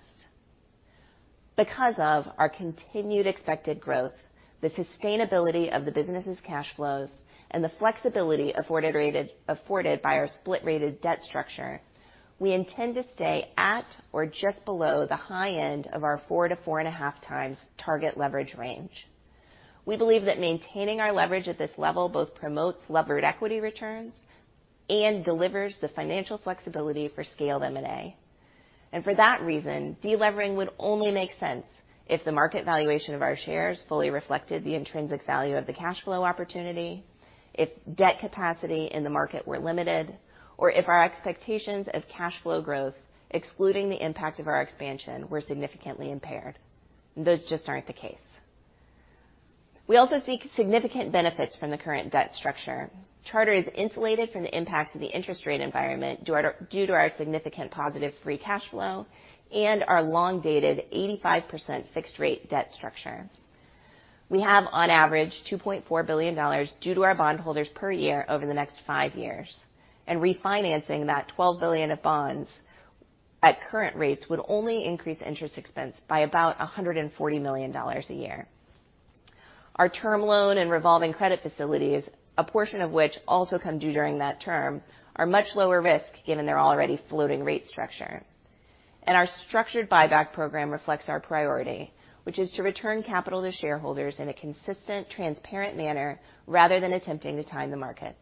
Because of our continued expected growth, the sustainability of the business's cash flows, and the flexibility afforded by our split rated debt structure, we intend to stay at or just below the high end of our 4-4.5x target leverage range. We believe that maintaining our leverage at this level both promotes levered equity returns and delivers the financial flexibility for scaled M&A. For that reason, delevering would only make sense if the market valuation of our shares fully reflected the intrinsic value of the cash flow opportunity, if debt capacity in the market were limited, or if our expectations of cash flow growth, excluding the impact of our expansion, were significantly impaired. Those just aren't the case. We also see significant benefits from the current debt structure. Charter is insulated from the impacts of the interest rate environment due to our significant positive free cash flow and our long-dated 85% fixed rate debt structure. We have, on average, $2.4 billion due to our bondholders per year over the next five years. Refinancing that $12 billion of bonds at current rates would only increase interest expense by about $140 million a year. Our term loan and revolving credit facilities, a portion of which also come due during that term, are much lower risk given their already floating rate structure. Our structured buyback program reflects our priority, which is to return capital to shareholders in a consistent, transparent manner, rather than attempting to time the markets.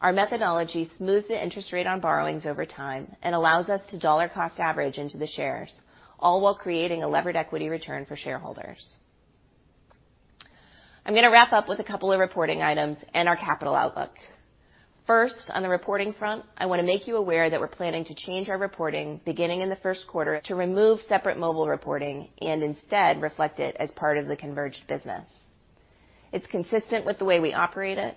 Our methodology smooths the interest rate on borrowings over time and allows us to dollar cost average into the shares, all while creating a levered equity return for shareholders. I'm gonna wrap up with a couple of reporting items and our capital outlook. First, on the reporting front, I wanna make you aware that we're planning to change our reporting beginning in the first quarter to remove separate mobile reporting and instead reflect it as part of the converged business. It's consistent with the way we operate it,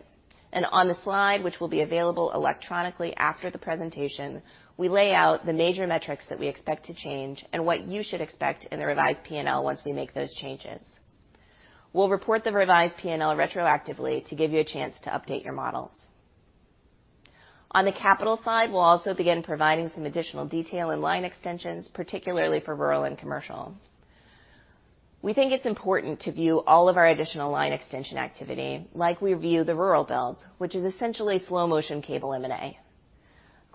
and on the slide, which will be available electronically after the presentation, we lay out the major metrics that we expect to change and what you should expect in the revised P&L once we make those changes. We'll report the revised P&L retroactively to give you a chance to update your models. On the capital side, we'll also begin providing some additional detail and line extensions, particularly for rural and commercial. We think it's important to view all of our additional line extension activity like we view the rural build, which is essentially slow motion cable M&A.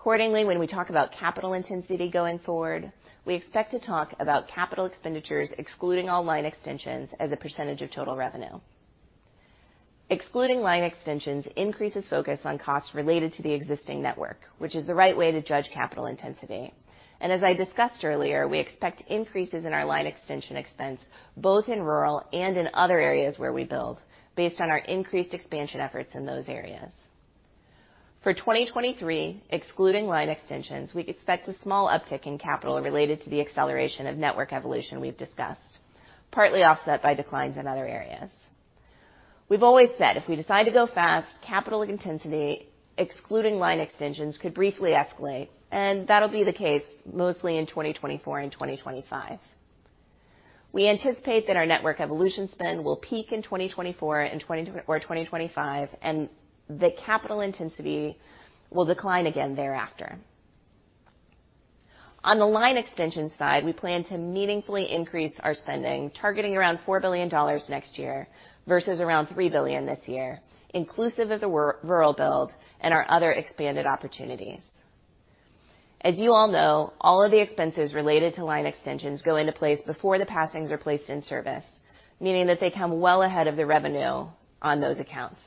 Accordingly, when we talk about capital intensity going forward, we expect to talk about capital expenditures excluding all line extensions as a percentage of total revenue. Excluding line extensions increases focus on costs related to the existing network, which is the right way to judge capital intensity. As I discussed earlier, we expect increases in our line extension expense, both in rural and in other areas where we build based on our increased expansion efforts in those areas. For 2023, excluding line extensions, we expect a small uptick in capital related to the acceleration of network evolution we've discussed, partly offset by declines in other areas. We've always said if we decide to go fast, capital intensity, excluding line extensions, could briefly escalate, That'll be the case mostly in 2024 and 2025. We anticipate that our network evolution spend will peak in 2024 or 2025. The capital intensity will decline again thereafter. On the line extension side, we plan to meaningfully increase our spending, targeting around $4 billion next year versus around $3 billion this year, inclusive of the rural build and our other expanded opportunities. As you all know, all of the expenses related to line extensions go into place before the passings are placed in service, meaning that they come well ahead of the revenue on those accounts.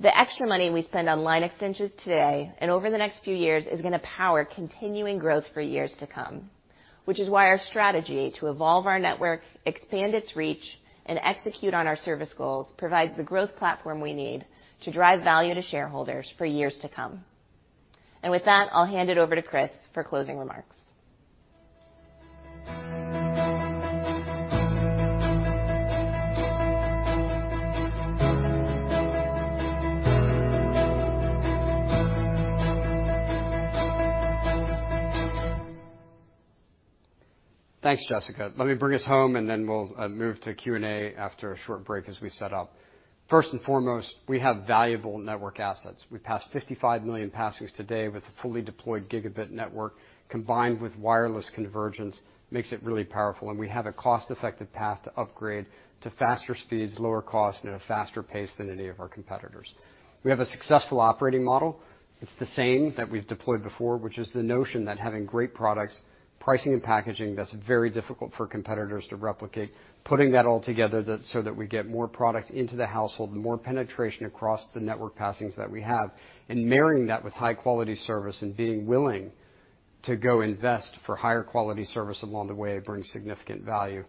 The extra money we spend on line extensions today and over the next few years is gonna power continuing growth for years to come, which is why our strategy to evolve our network, expand its reach, and execute on our service goals provides the growth platform we need to drive value to shareholders for years to come. With that, I'll hand it over to Chris for closing remarks. Thanks, Jessica. Let me bring us home, and we'll move to Q&A after a short break as we set up. First and foremost, we have valuable network assets. We passed 55 million passings today with a fully deployed Gb network combined with wireless convergence, makes it really powerful. We have a cost-effective path to upgrade to faster speeds, lower cost, and at a faster pace than any of our competitors. We have a successful operating model. It's the same that we've deployed before, which is the notion that having great products, pricing and packaging that's very difficult for competitors to replicate, putting that all together so that we get more product into the household, more penetration across the network passings that we have, and marrying that with high quality service and being willing to go invest for higher quality service along the way brings significant value.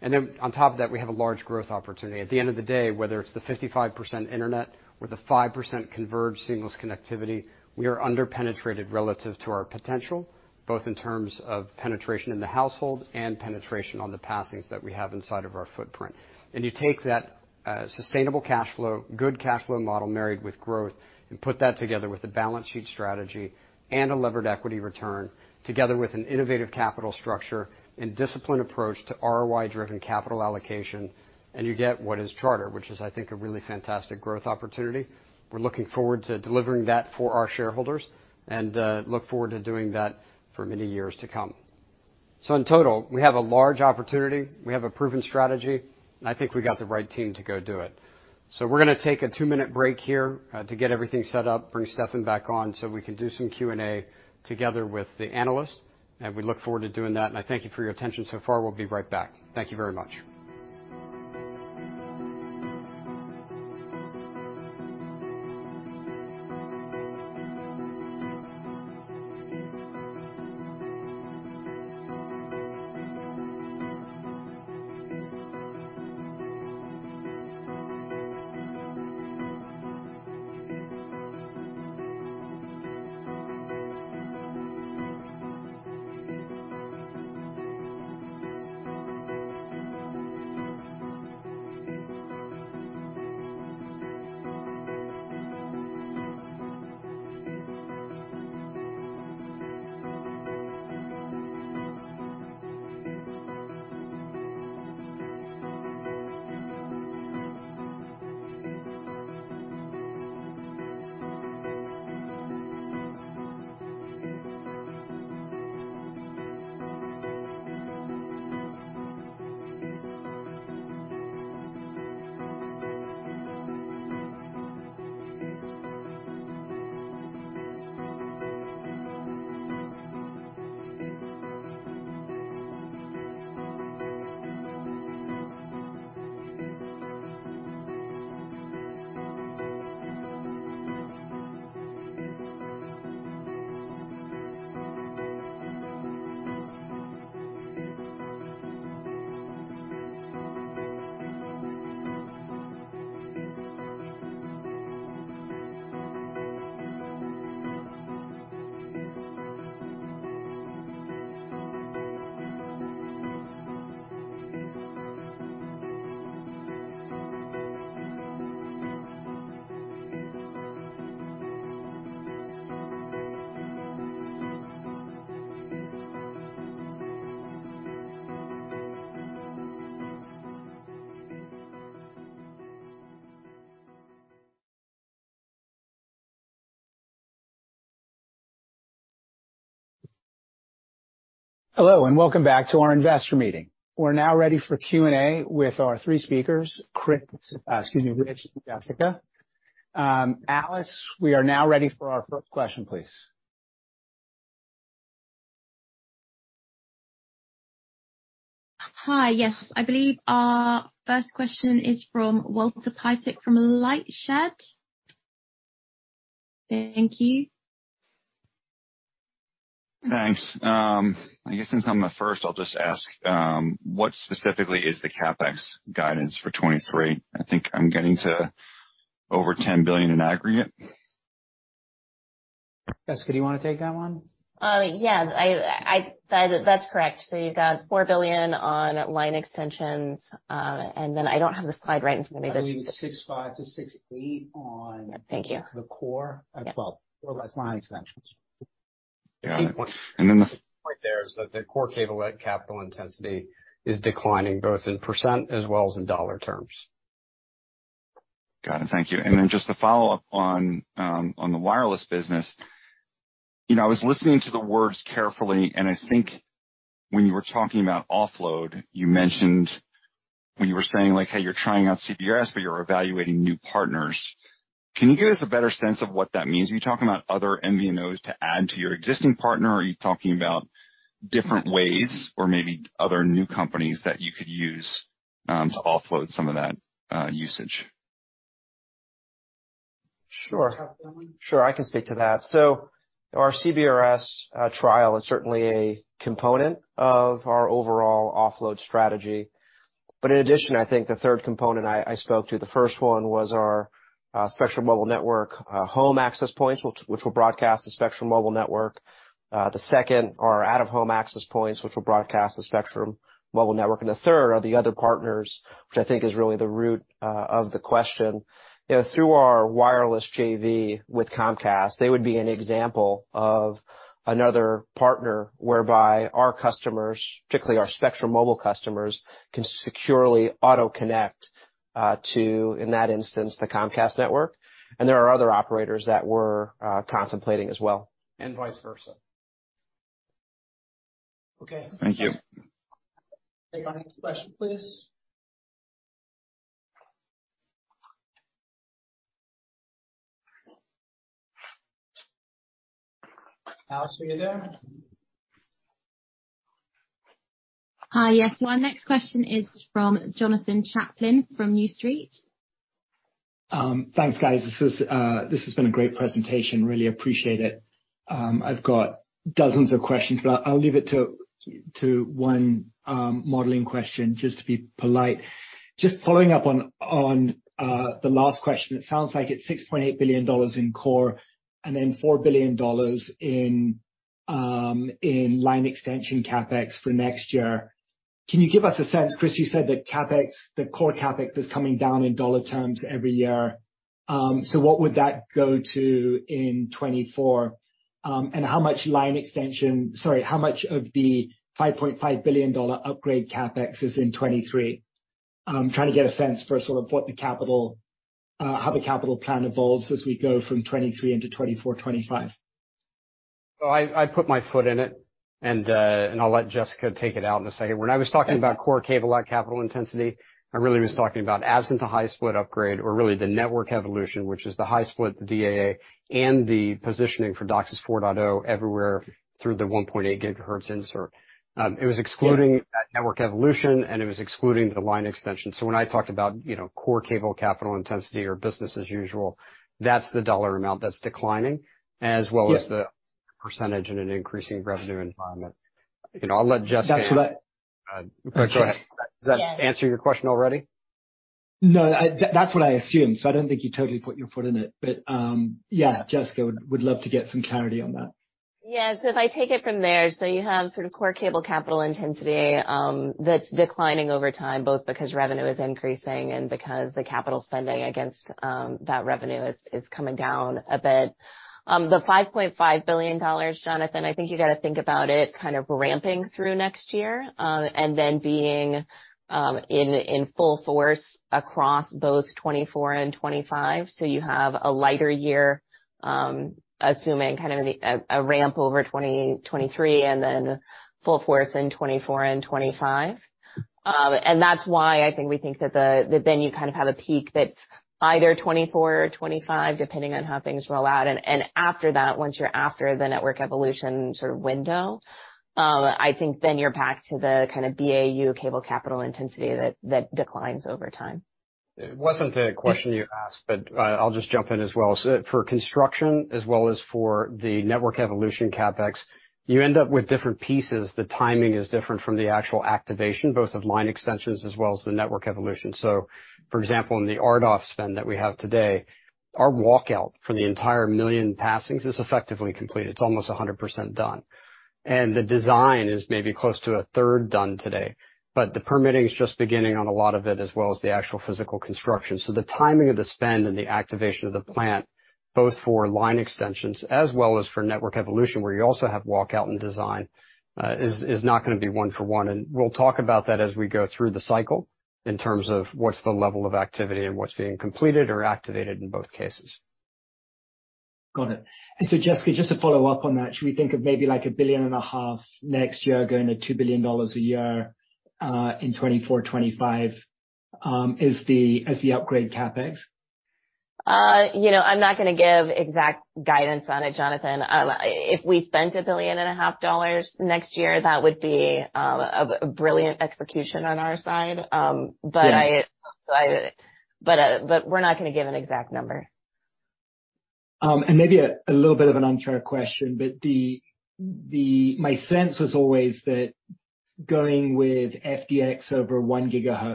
On top of that, we have a large growth opportunity. At the end of the day, whether it's the 55% Internet or the 5% converged seamless connectivity, we are under-penetrated relative to our potential, both in terms of penetration in the household and penetration on the passings that we have inside of our footprint. You take that sustainable cash flow, good cash flow model married with growth and put that together with a balance sheet strategy and a levered equity return together with an innovative capital structure and disciplined approach to ROI-driven capital allocation, and you get what is Charter, which is, I think, a really fantastic growth opportunity. We're looking forward to delivering that for our shareholders and look forward to doing that for many years to come. In total, we have a large opportunity, we have a proven strategy, and I think we got the right team to go do it. We're gonna take a 2-minute break here to get everything set up, bring Stefan back on, so we can do some Q&A together with the analysts. We look forward to doing that. I thank you for your attention so far. We'll be right back. Thank you very much.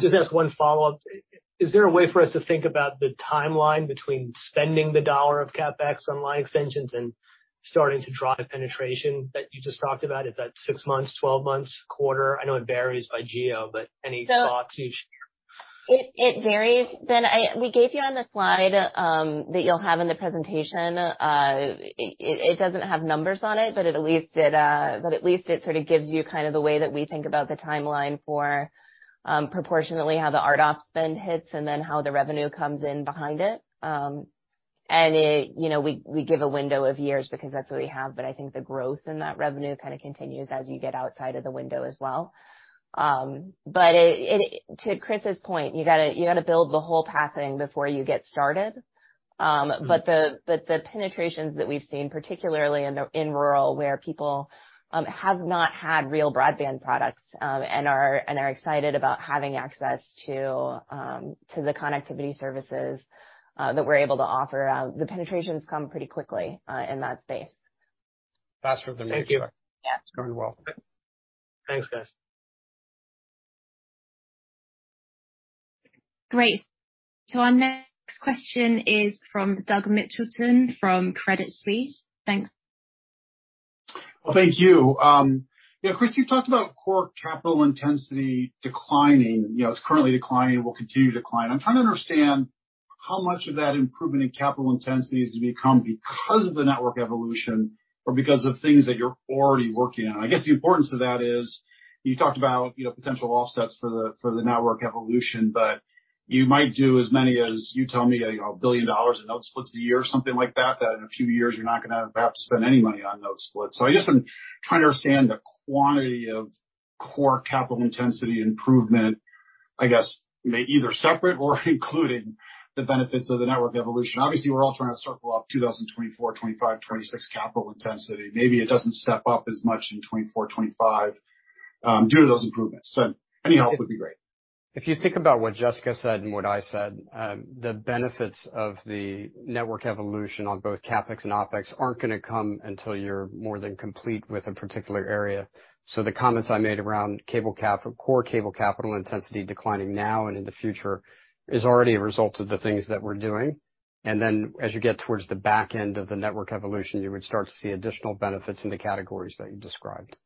just ask one follow-up? Is there a way for us to think about the timeline between spending the dollar of CapEx on line extensions and starting to drive penetration that you just talked about? If that's six months, 12 months, quarter? I know it varies by geo, but any thoughts you'd share? It varies. Ben, we gave you on the slide that you'll have in the presentation. It doesn't have numbers on it, but at least it sort of gives you kind of the way that we think about the timeline for proportionately how the RDOF spend hits and then how the revenue comes in behind it. It, you know, we give a window of years because that's what we have, but I think the growth in that revenue kind of continues as you get outside of the window as well. It, to Chris's point, you gotta build the whole passing before you get started. The penetrations that we've seen, particularly in rural, where people, have not had real broadband products, and are excited about having access to the connectivity services, that we're able to offer. The penetrations come pretty quickly, in that space. Faster than you expect. Thank you. Yeah. You're very welcome. Thanks, guys. Great. Our next question is from Doug Mitchelson from Credit Suisse. Thanks. Well, thank you. Yeah, Chris, you talked about core capital intensity declining. You know, it's currently declining and will continue to decline. I'm trying to understand. How much of that improvement in capital intensity is to become because of the network evolution or because of things that you're already working on? I guess the importance of that is you talked about, you know, potential offsets for the, for the network evolution, but you might do as many as you tell me, you know, $1 billion in node splits a year or something like that in a few years you're not gonna have to spend any money on node splits. I just am trying to understand the quantity of core capital intensity improvement, I guess, may either separate or including the benefits of the network evolution. Obviously, we're all trying to circle up 2024, 2025, 2026 capital intensity. Maybe it doesn't step up as much in 2024, 2025, due to those improvements. Any help would be great. If you think about what Jessica said and what I said, the benefits of the network evolution on both CapEx and OpEx aren't going to come until you're more than complete with a particular area. The comments I made around core cable capital intensity declining now and in the future is already a result of the things that we're doing. As you get towards the back end of the network evolution, you would start to see additional benefits in the categories that you described.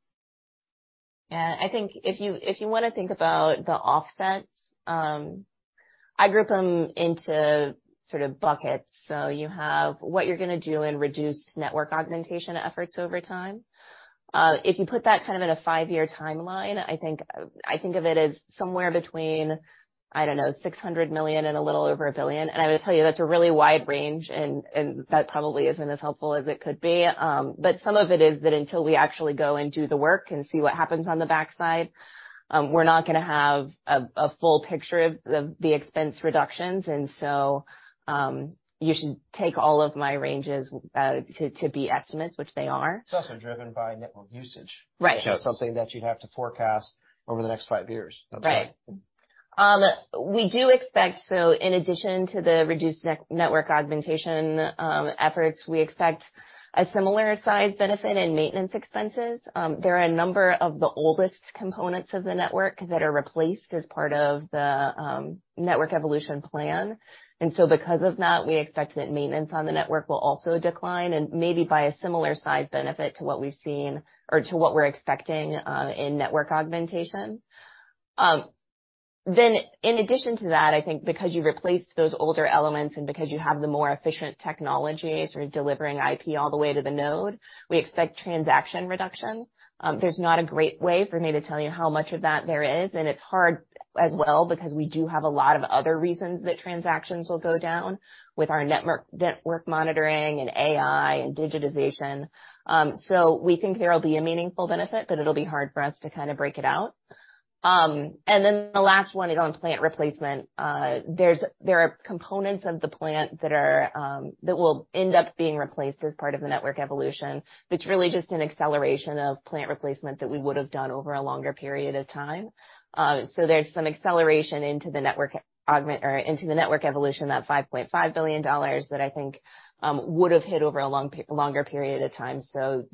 I think if you, if you want to think about the offsets, I group them into sort of buckets. You have what you're going to do in reduced network augmentation efforts over time. If you put that kind of in a five-year timeline, I think of it as somewhere between, I don't know, $600 million and a little over $1 billion. I would tell you that's a really wide range, and that probably isn't as helpful as it could be. But some of it is that until we actually go and do the work and see what happens on the backside, we're not gonna have a full picture of the expense reductions. You should take all of my ranges to be estimates, which they are. It's also driven by network usage. Right. Which is something that you'd have to forecast over the next five years. Right. We do expect, so in addition to the reduced net-network augmentation efforts, we expect a similar size benefit in maintenance expenses. There are a number of the oldest components of the network that are replaced as part of the network evolution plan. Because of that, we expect that maintenance on the network will also decline and maybe by a similar size benefit to what we've seen or to what we're expecting in network augmentation. In addition to that, I think because you replaced those older elements and because you have the more efficient technology sort of delivering IP all the way to the node, we expect transaction reduction. There's not a great way for me to tell you how much of that there is, and it's hard as well because we do have a lot of other reasons that transactions will go down with our network monitoring and AI and digitization. We think there will be a meaningful benefit, but it'll be hard for us to kind of break it out. The last one is on plant replacement. There are components of the plant that are, that will end up being replaced as part of the network evolution. It's really just an acceleration of plant replacement that we would have done over a longer period of time. There's some acceleration into the network augment or into the network evolution, that $5.5 billion that I think, would have hit over a long longer period of time.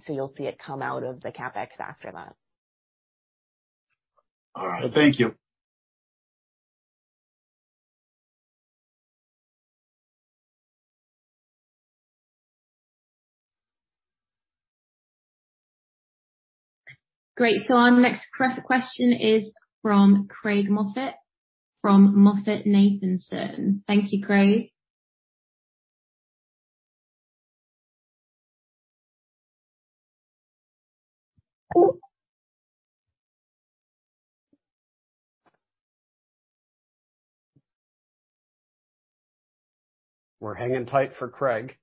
You'll see it come out of the CapEx after that. All right. Thank you. Great. Our next press question is from Craig Moffett from MoffettNathanson. Thank you, Craig. We're hanging tight for Craig.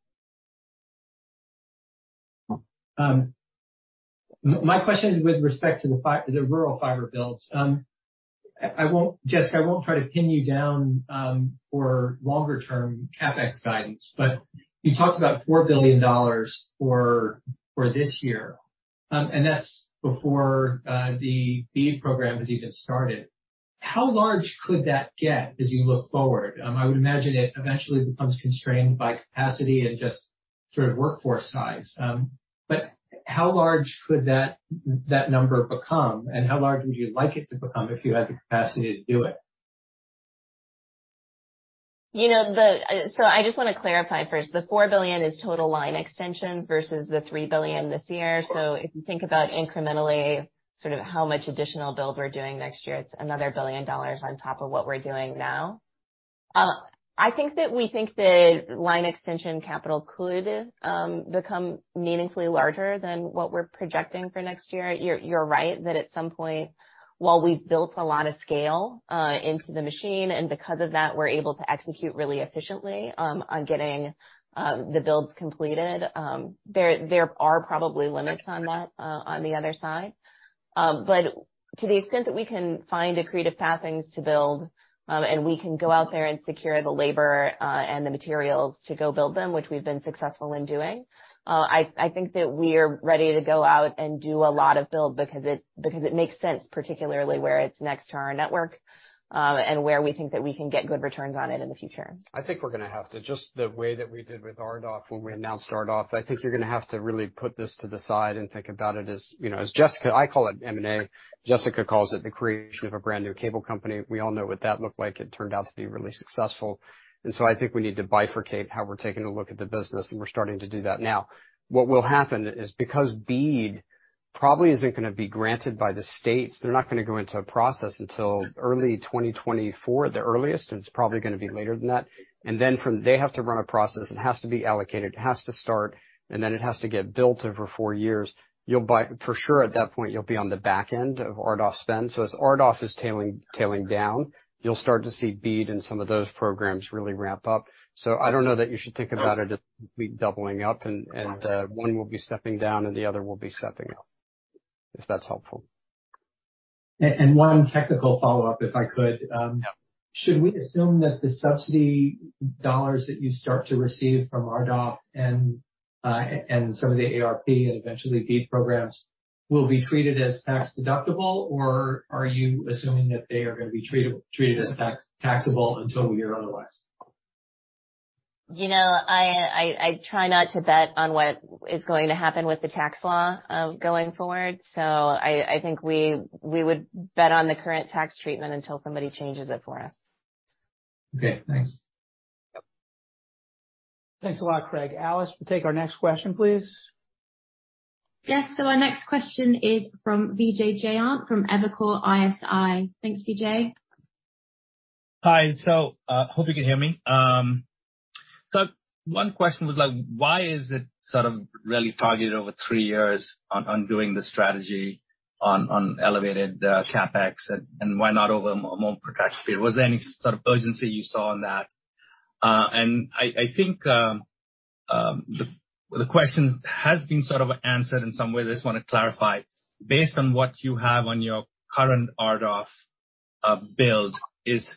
My question is with respect to the rural fiber builds. I won't Jessica, I won't try to pin you down for longer term CapEx guidance, but you talked about $4 billion for this year, and that's before the BEAD program has even started. How large could that get as you look forward? I would imagine it eventually becomes constrained by capacity and just sort of workforce size. How large could that number become, and how large would you like it to become if you had the capacity to do it? You know, I just want to clarify first, the $4 billion is total line extensions versus the $3 billion this year. If you think about incrementally sort of how much additional build we're doing next year, it's another $1 billion on top of what we're doing now. I think that we think the line extension capital could become meaningfully larger than what we're projecting for next year. You're right that at some point, while we've built a lot of scale into the machine, and because of that, we're able to execute really efficiently on getting the builds completed. There are probably limits on that on the other side. To the extent that we can find accretive pathings to build, and we can go out there and secure the labor and the materials to go build them, which we've been successful in doing, I think that we're ready to go out and do a lot of build because it makes sense, particularly where it's next to our network, and where we think that we can get good returns on it in the future. I think we're gonna have to just the way that we did with RDOF when we announced RDOF, I think you're gonna have to really put this to the side and think about it as, you know, as Jessica-- I call it M&A, Jessica calls it the creation of a brand new cable company. We all know what that looked like. It turned out to be really successful. I think we need to bifurcate how we're taking a look at the business, and we're starting to do that now. What will happen is because BEAD probably isn't gonna be granted by the states, they're not gonna go into a process until early 2024 at the earliest, and it's probably gonna be later than that. From they have to run a process, it has to be allocated, it has to start, and then it has to get built over four years. For sure, at that point, you'll be on the back end of RDOF spend. As RDOF is tailing down, you'll start to see BEAD and some of those programs really ramp up. I don't know that you should think about it as we doubling up and one will be stepping down and the other will be stepping up, if that's helpful. One technical follow-up, if I could. Should we assume that the subsidy dollars that you start to receive from RDOF and some of the ARP and eventually BEAD programs will be treated as tax-deductible or are you assuming that they are gonna be treated as taxable until we hear otherwise? You know, I try not to bet on what is going to happen with the tax law, going forward. I think we would bet on the current tax treatment until somebody changes it for us. Okay, thanks. Yep. Thanks a lot, Craig. Alice, we'll take our next question, please. Yes. Our next question is from Vijay Jayant from Evercore ISI. Thank you, Jay. Hi. Hope you can hear me. One question was like, why is it sort of really targeted over three years on doing the strategy on elevated CapEx and why not over a more protracted period? Was there any sort of urgency you saw on that? I think the question has been sort of answered in some way. I just wanna clarify. Based on what you have on your current RDOF build, is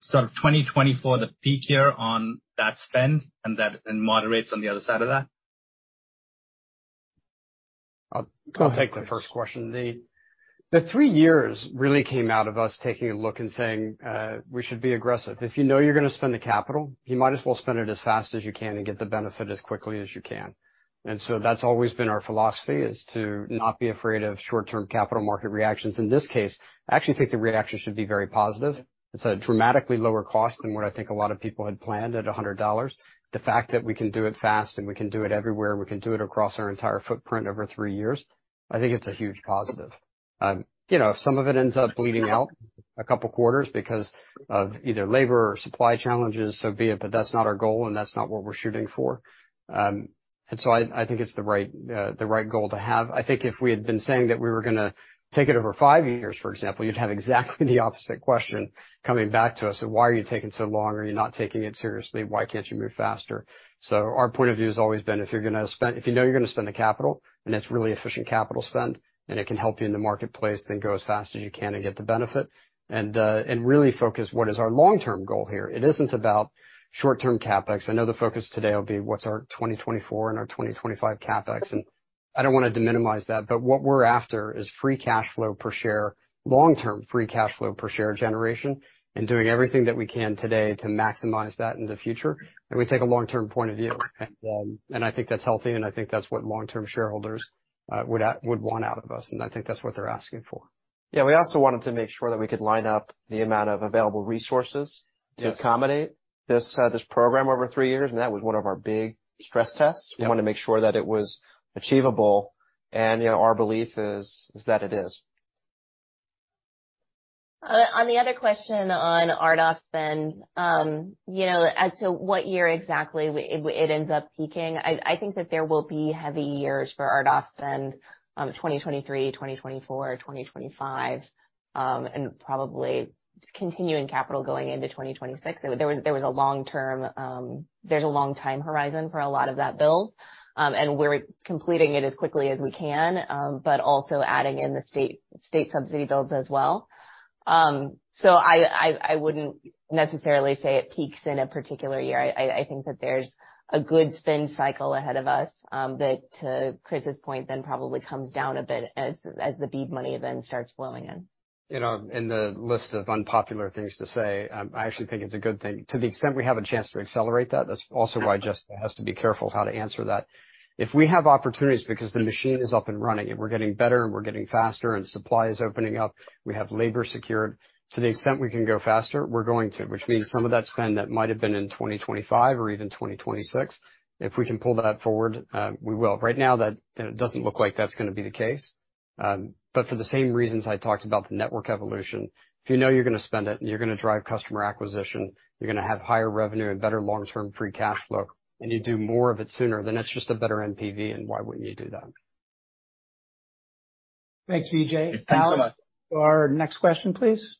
sort of 2024 the peak year on that spend and that then moderates on the other side of that? I'll take the first question. The three years really came out of us taking a look and saying, we should be aggressive. If you know you're gonna spend the capital, you might as well spend it as fast as you can and get the benefit as quickly as you can. That's always been our philosophy is to not be afraid of short-term capital market reactions. In this case, I actually think the reaction should be very positive. It's a dramatically lower cost than what I think a lot of people had planned at $100. The fact that we can do it fast and we can do it everywhere, we can do it across our entire footprint over three years, I think it's a huge positive. you know, if some of it ends up bleeding out a couple quarters because of either labor or supply challenges, so be it, but that's not our goal and that's not what we're shooting for. I think it's the right, the right goal to have. I think if we had been saying that we were gonna take it over five years, for example, you'd have exactly the opposite question coming back to us of why are you taking so long or you're not taking it seriously? Why can't you move faster? Our point of view has always been, if you know you're gonna spend the capital and it's really efficient capital spend, and it can help you in the marketplace, then go as fast as you can to get the benefit and really focus what is our long-term goal here. It isn't about short-term CapEx. I know the focus today will be what's our 2024 and our 2025 CapEx. I don't wanna de-minimize that. What we're after is free cash flow per share, long-term free cash flow per share generation, doing everything that we can today to maximize that in the future. We take a long-term point of view. I think that's healthy, and I think that's what long-term shareholders would want out of us, and I think that's what they're asking for. Yeah. We also wanted to make sure that we could line up the amount of available resources- Yes. to accommodate this program over three years, and that was one of our big stress tests. Yeah. We wanna make sure that it was achievable and, you know, our belief is that it is. On the other question on RDOF spend, you know, as to what year exactly it ends up peaking, I think that there will be heavy years for RDOF spend, 2023, 2024, 2025, and probably continuing capital going into 2026. There was a long term, there's a long time horizon for a lot of that build, and we're completing it as quickly as we can, but also adding in the state subsidy builds as well. I, I wouldn't necessarily say it peaks in a particular year. I think that there's a good spend cycle ahead of us, that to Chris' point then probably comes down a bit as the BEAD money then starts flowing in. You know, in the list of unpopular things to say, I actually think it's a good thing. To the extent we have a chance to accelerate that's also why Jessica has to be careful how to answer that. If we have opportunities because the machine is up and running, and we're getting better, and we're getting faster, and supply is opening up, we have labor secured. To the extent we can go faster, we're going to. Which means some of that spend that might have been in 2025 or even 2026, if we can pull that forward, we will. Right now, that, you know, doesn't look like that's gonna be the case. For the same reasons I talked about the network evolution, if you know you're gonna spend it, and you're gonna drive customer acquisition, you're gonna have higher revenue and better long-term free cash flow, and you do more of it sooner, then that's just a better NPV, and why wouldn't you do that? Thanks, Vijay. Thanks so much. Alice, our next question, please.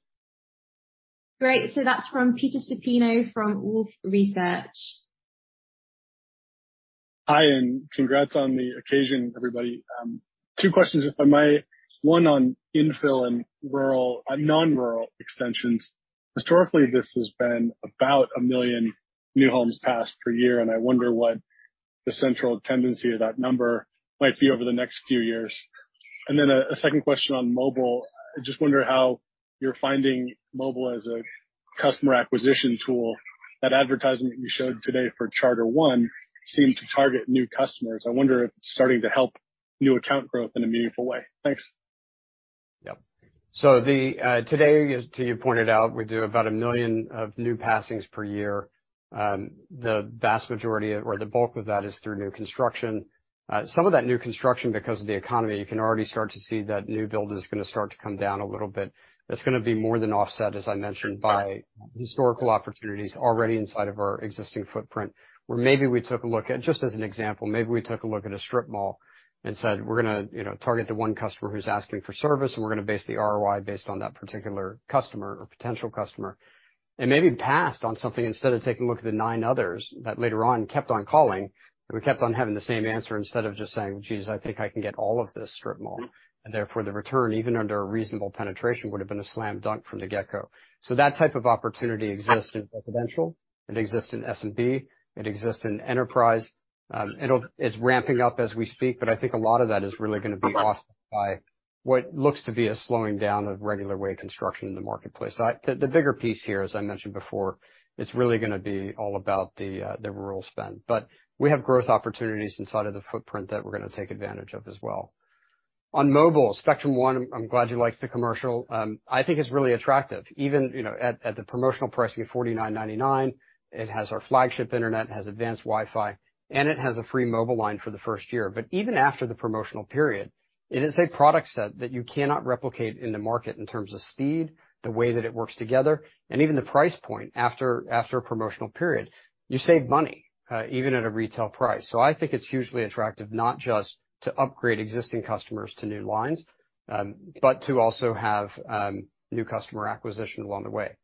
Great. That's from Peter Supino from Wolfe Research. Hi. Congrats on the occasion, everybody. Two questions, if I may. One on infill and rural, non-rural extensions. Historically, this has been about 1 million new homes passed per year. I wonder what the central tendency of that number might be over the next few years. A 2nd question on mobile. I just wonder how you're finding mobile as a customer acquisition tool. That advertisement you showed today for Spectrum One seemed to target new customers. I wonder if it's starting to help new account growth in a meaningful way. Thanks. Yep. The today, as to you pointed out, we do about 1 million of new passings per year. The vast majority or the bulk of that is through new construction. Some of that new construction, because of the economy, you can already start to see that new build is gonna start to come down a little bit. That's going to be more than offset, as I mentioned, by historical opportunities already inside of our existing footprint, where maybe we took a look at, just as an example, maybe we took a look at a strip mall and said, "We're going to, you know, target the one customer who's asking for service and we're going to base the ROI based on that particular customer or potential customer," and maybe passed on something instead of taking a look at the nine others that later on kept on calling, and we kept on having the same answer instead of just saying, "Geez, I think I can get all of this strip mall." Therefore, the return, even under a reasonable penetration, would have been a slam dunk from the get-go. That type of opportunity exists in residential, it exists in SMB, it exists in enterprise. It's ramping up as we speak, I think a lot of that is really gonna be offset by what looks to be a slowing down of regular wave construction in the marketplace. The bigger piece here, as I mentioned before, it's really gonna be all about the rural spend. We have growth opportunities inside of the footprint that we're gonna take advantage of as well. On mobile, Spectrum One, I'm glad you liked the commercial. I think it's really attractive. Even, you know, at the promotional pricing of $49.99, it has our flagship internet, it has Advanced WiFi, and it has a free mobile line for the first year. Even after the promotional period, it is a product set that you cannot replicate in the market in terms of speed, the way that it works together, and even the price point after a promotional period. You save money, even at a retail price. I think it's hugely attractive, not just to upgrade existing customers to new lines, but to also have new customer acquisition along the way.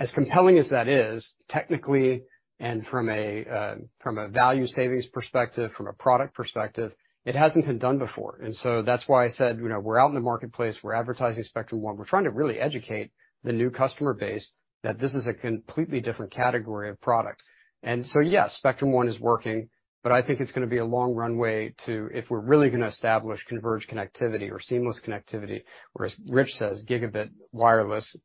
As compelling as that is, technically, and from a value savings perspective, from a product perspective, it hasn't been done before. That's why I said, you know, we're out in the marketplace, we're advertising Spectrum One. We're trying to really educate the new customer base that this is a completely different category of product. Yes, Spectrum One is working, but I think it's gonna be a long runway to if we're really gonna establish converged connectivity or seamless connectivity, or as Rich says, Gb wireless.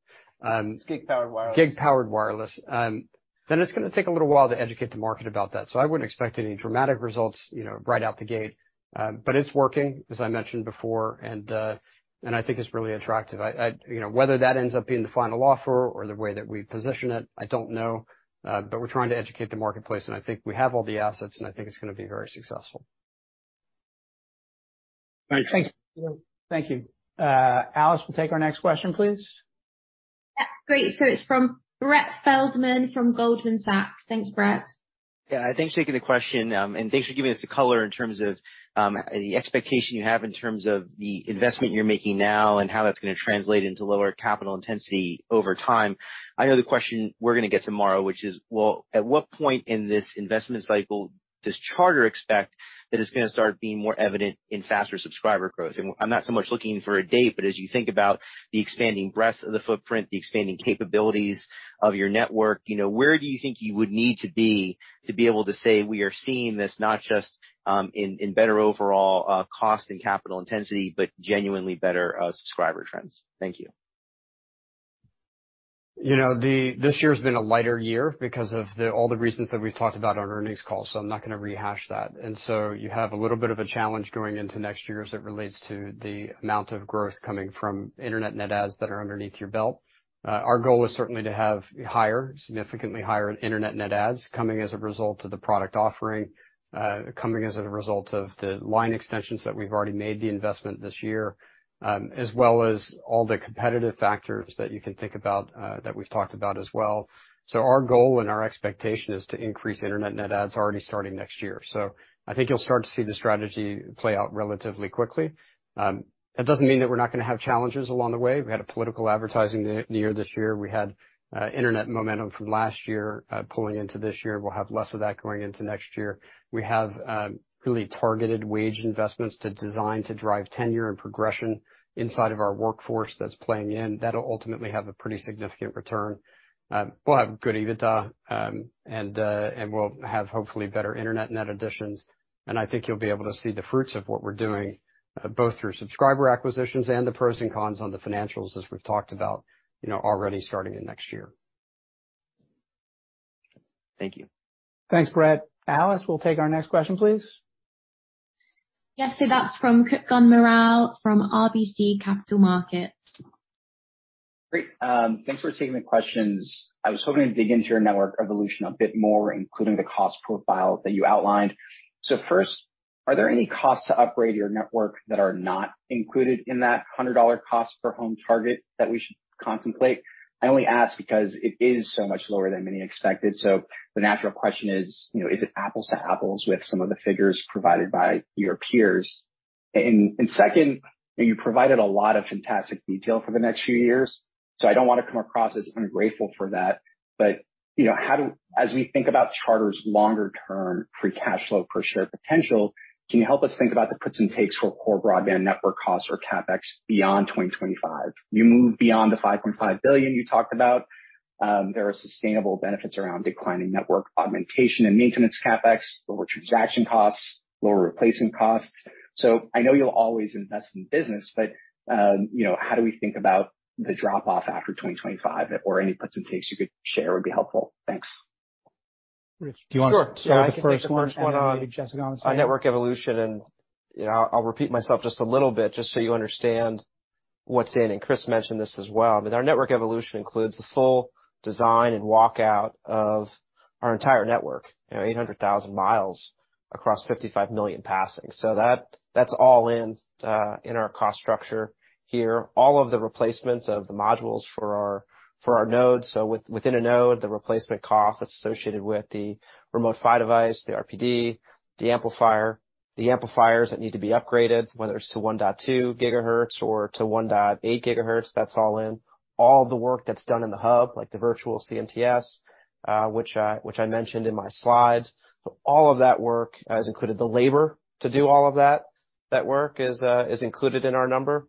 It's Gig-Powered Wireless. Gig-Powered Wireless. Then it's gonna take a little while to educate the market about that. I wouldn't expect any dramatic results, you know, right out the gate. It's working, as I mentioned before, and I think it's really attractive. You know, whether that ends up being the final offer or the way that we position it, I don't know, we're trying to educate the marketplace, and I think we have all the assets, and I think it's gonna be very successful. Thanks. Thank you. Alice, we'll take our next question, please. Yeah. Great. It's from Brett Feldman from Goldman Sachs. Thanks, Brett. Yeah. Thanks for taking the question, thanks for giving us the color in terms of the expectation you have in terms of the investment you're making now and how that's going to translate into lower capital intensity over time. I know the question we're going to get tomorrow, which is, well, at what point in this investment cycle does Charter expect that it's going to start being more evident in faster subscriber growth? I'm not so much looking for a date, but as you think about the expanding breadth of the footprint, the expanding capabilities of your network, you know, where do you think you would need to be to be able to say, "We are seeing this not just in better overall cost and capital intensity, but genuinely better subscriber trends"? Thank you. You know, this year's been a lighter year because of all the reasons that we've talked about on earnings calls, so I'm not gonna rehash that. So you have a little bit of a challenge going into next year as it relates to the amount of growth coming from Internet net adds that are underneath your belt. Our goal is certainly to have higher, significantly higher Internet net adds coming as a result of the product offering, coming as a result of the line extensions that we've already made the investment this year, as well as all the competitive factors that you can think about, that we've talked about as well. Our goal and our expectation is to increase Internet net adds already starting next year. I think you'll start to see the strategy play out relatively quickly. That doesn't mean that we're not gonna have challenges along the way. We had a political advertising year this year. We had internet momentum from last year, pulling into this year. We'll have less of that going into next year. We have really targeted wage investments to design to drive tenure and progression inside of our workforce that's playing in. That'll ultimately have a pretty significant return. We'll have good EBITDA, and we'll have hopefully better internet net additions. I think you'll be able to see the fruits of what we're doing, both through subscriber acquisitions and the pros and cons on the financials as we've talked about, you know, already starting in next year. Thank you. Thanks, Brett. Alice, we'll take our next question, please. Yes, that's from Jonathan Atkin from RBC Capital Markets. Great. Thanks for taking the questions. I was hoping to dig into your network evolution a bit more, including the cost profile that you outlined. First, are there any costs to upgrade your network that are not included in that $100 cost per home target that we should contemplate? I only ask because it is so much lower than many expected. The natural question is, you know, is it apples to apples with some of the figures provided by your peers? Second, you provided a lot of fantastic detail for the next few years, so I don't want to come across as ungrateful for that, but, you know, As we think about Charter's longer term free cash flow per share potential, can you help us think about the puts and takes for core broadband network costs or CapEx beyond 2025? You move beyond the $5.5 billion you talked about. There are sustainable benefits around declining network augmentation and maintenance CapEx, lower transaction costs, lower replacement costs. I know you'll always invest in business, but, you know, how do we think about the drop-off after 2025, or any puts and takes you could share would be helpful. Thanks. Rich, do you want to start with the first one? Sure. I can take the first one on network evolution. You know, I'll repeat myself just a little bit just so you understand what's in. Chris mentioned this as well. Our network evolution includes the full design and walkout of our entire network, you know, 800,000 mi across 55 million passings. That, that's all in in our cost structure here. All of the replacements of the modules for our nodes. Within a node, the replacement cost that's associated with the Remote PHY Device, the RPD, the amplifier, the amplifiers that need to be upgraded, whether it's to 1.2 GHz or to 1.8 GHz, that's all in. All the work that's done in the hub, like the virtual CMTS, which I mentioned in my slides. All of that work is included. The labor to do all of that work is included in our number.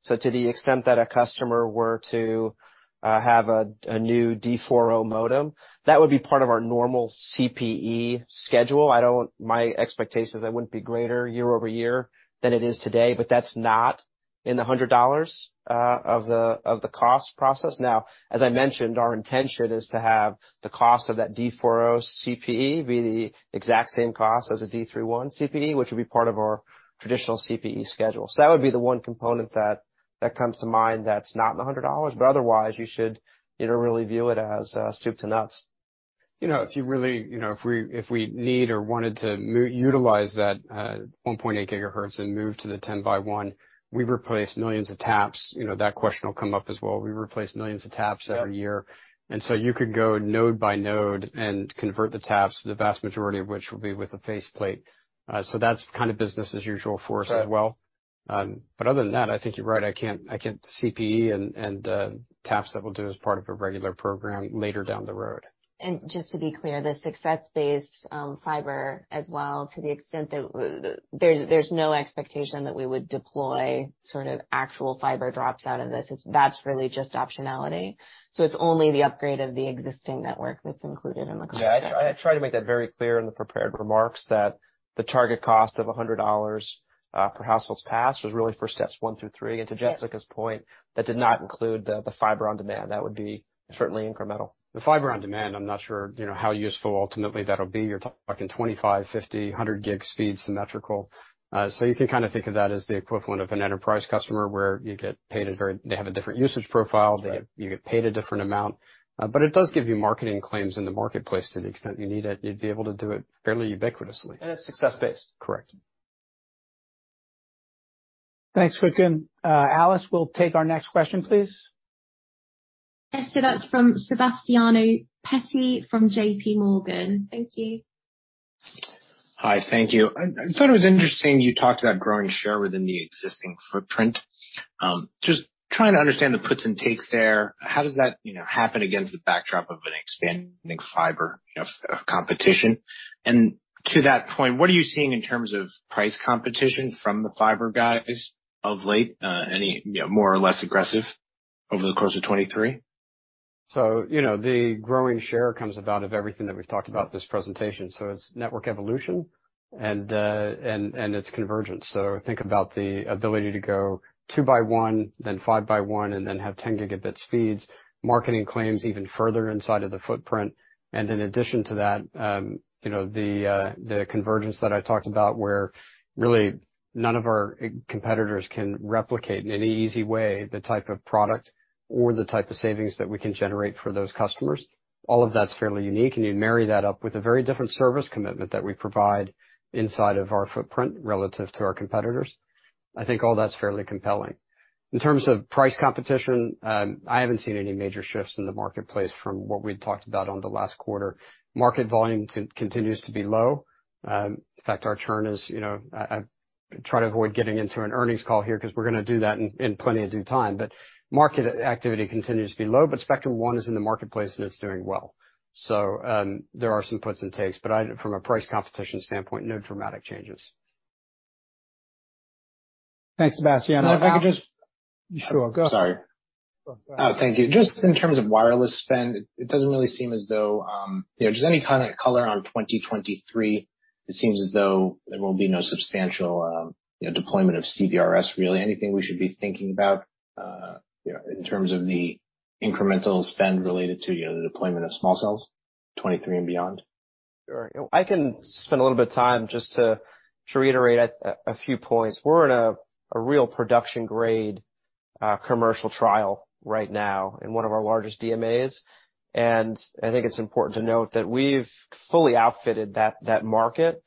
The one thing that I think you should know is the CPE. To the extent that a customer were to have a new D4.0 modem, that would be part of our normal CPE schedule. My expectation is that wouldn't be greater year-over-year than it is today, but that's not in the $100 of the cost process. As I mentioned, our intention is to have the cost of that D4.0 CPE be the exact same cost as a D3.1 CPE, which would be part of our traditional CPE schedule. That would be the one component that comes to mind that's not in the $100. Otherwise, you should, you know, really view it as soup to nuts. You know, if you really, you know, if we need or wanted to utilize that, 1.8 GHz and move to the 10 by 1, we replace millions of taps. You know, that question will come up as well. We replace millions of taps every year. Yep. You could go node by node and convert the taps, the vast majority of which will be with a faceplate. That's kind of business as usual for us as well. Right. Other than that, I think you're right. I can't CPE and taps that we'll do as part of a regular program later down the road. Just to be clear, the success-based fiber as well, to the extent that there's no expectation that we would deploy sort of actual fiber drops out of this. That's really just optionality. It's only the upgrade of the existing network that's included in the cost center. Yeah. I tried to make that very clear in the prepared remarks that the target cost of $100 per households passed was really for steps one through three. To Jessica's point, that did not include the fiber on demand. That would be certainly incremental. The fiber on demand, I'm not sure, you know, how useful ultimately that'll be. You're talking 25, 50, 100 gig speed symmetrical. You can kind of think of that as the equivalent of an enterprise customer where you get paid. They have a different usage profile. Right. You get paid a different amount. It does give you marketing claims in the marketplace to the extent you need it. You'd be able to do it fairly ubiquitously. It's success based. Correct. Thanks, Craig. Alice, we'll take our next question, please. Yes, that's from Sebastiano Petti from J.P. Morgan. Thank you. Hi. Thank you. I thought it was interesting you talked about growing share within the existing footprint. Just trying to understand the puts and takes there. How does that, you know, happen against the backdrop of an expanding fiber competition? To that point, what are you seeing in terms of price competition from the fiber guys of late? Any, you know, more or less aggressive over the course of 2023? You know, the growing share comes about of everything that we've talked about this presentation. It's network evolution and it's convergence. Think about the ability to go two by one then five by one, and then have 10 Gb speeds, marketing claims even further inside of the footprint. In addition to that, you know, the convergence that I talked about where really none of our competitors can replicate in any easy way the type of product or the type of savings that we can generate for those customers. All of that's fairly unique, and you marry that up with a very different service commitment that we provide inside of our footprint relative to our competitors. I think all that's fairly compelling. In terms of price competition, I haven't seen any major shifts in the marketplace from what we'd talked about on the last quarter. Market volume continues to be low. In fact, our churn is, you know, I try to avoid getting into an earnings call here because we're going to do that in plenty of due time. Market activity continues to be low, but Spectrum One is in the marketplace, and it's doing well. There are some puts and takes, but I from a price competition standpoint, no dramatic changes. Thanks, Sebastiano. And if I could just- Sure. Go. Sorry. Go ahead. Oh, thank you. Just in terms of wireless spend, it doesn't really seem as though. You know, just any kind of color on 2023, it seems as though there will be no substantial, you know, deployment of CBRS, really. Anything we should be thinking about, you know, in terms of the incremental spend related to, you know, the deployment of small cells, 23 and beyond? Sure. I can spend a little bit of time just to reiterate a few points. We're in a real production grade commercial trial right now in one of our largest DMAs, and I think it's important to note that we've fully outfitted that market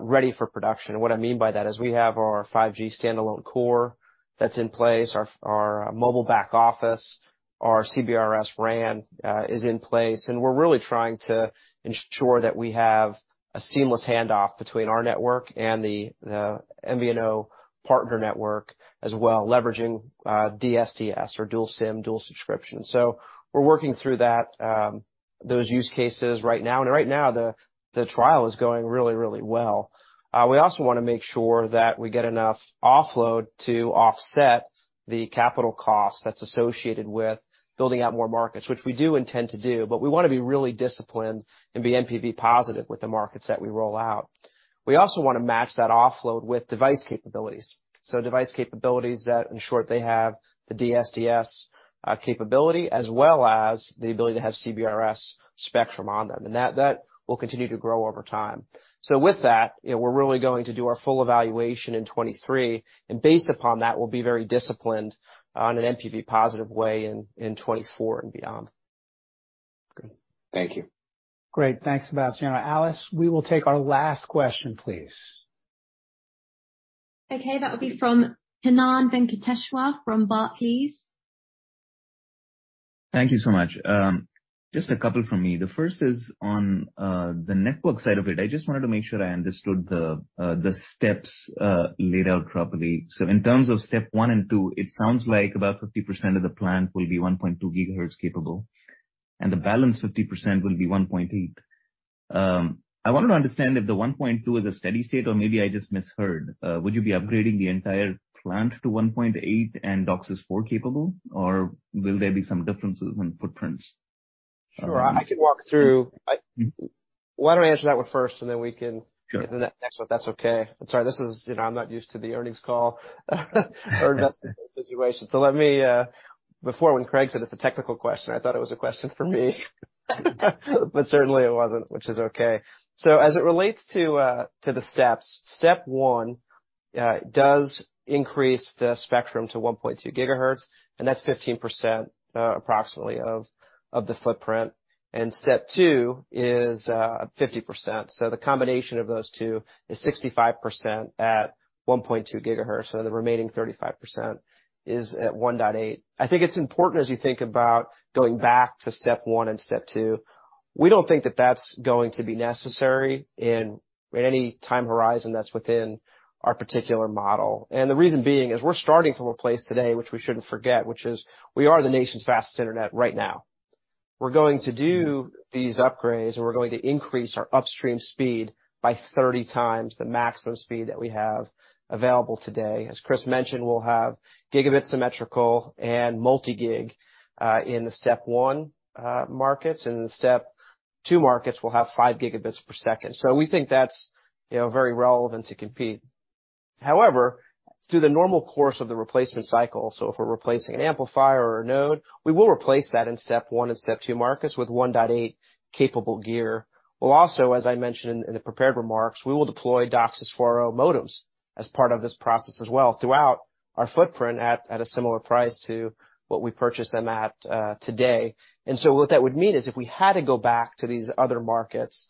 ready for production. What I mean by that is we have our 5G standalone core that's in place, our mobile back office, our CBRS RAN is in place, and we're really trying to ensure that we have a seamless handoff between our network and the MVNO partner network as well, leveraging DSDS or dual SIM, dual subscription. We're working through that those use cases right now. Right now the trial is going really, really well. We also want to make sure that we get enough offload to offset the capital cost that's associated with building out more markets, which we do intend to do. We want to be really disciplined and be NPV positive with the markets that we roll out. We also want to match that offload with device capabilities. Device capabilities that in short, they have the DSDS capability as well as the ability to have CBRS Spectrum on them, and that will continue to grow over time. With that, you know, we're really going to do our full evaluation in 2023, and based upon that, we'll be very disciplined on an NPV positive way in 2024 and beyond. Great. Thank you. Great. Thanks, Sebastiano. Alice, we will take our last question, please. Okay. That would be from Kannan Venkateshwar from Barclays. Thank you so much. Just a couple from me. The first is on the network side of it. I just wanted to make sure I understood the steps laid out properly. In terms of step one and two, it sounds like about 50% of the plant will be 1.2 GHz capable. And the balance 50% will be 1.8. I wanted to understand if the 1.2 is a steady state, or maybe I just misheard. Would you be upgrading the entire plant to 1.8 and DOCSIS 4.0 capable, or will there be some differences in footprints? Sure. I can walk through. Why don't I answer that 1 first, and then. Sure. get to that next one, if that's okay. I'm sorry. You know, I'm not used to the earnings call or investment situation. Let me... Before, when Craig said it's a technical question, I thought it was a question for me. Certainly it wasn't, which is okay. As it relates to the steps, step one, does increase the Spectrum to 1.2 GHz, and that's 15%, approximately, of the footprint. Step two is 50%. The combination of those two is 65% at 1.2 GHz, so the remaining 35% is at 1.8 GHz. I think it's important as you think about going back to step one and step two, we don't think that that's going to be necessary in any time horizon that's within our particular model. The reason being is we're starting from a place today which we shouldn't forget, which is we are the nation's fastest internet right now. We're going to do these upgrades, and we're going to increase our upstream speed by 30 times the maximum speed that we have available today. As Chris mentioned, we'll have Gb symmetrical and multi-gig in the step 1 markets. In the step 2 markets, we'll have 5 Gb per second. We think that's, you know, very relevant to compete. However, through the normal course of the replacement cycle, so if we're replacing an amplifier or a node, we will replace that in step one and step two markets with 1.8 capable gear. We'll also, as I mentioned in the prepared remarks, we will deploy DOCSIS 4.0 modems as part of this process as well throughout our footprint at a similar price to what we purchased them today. What that would mean is if we had to go back to these other markets,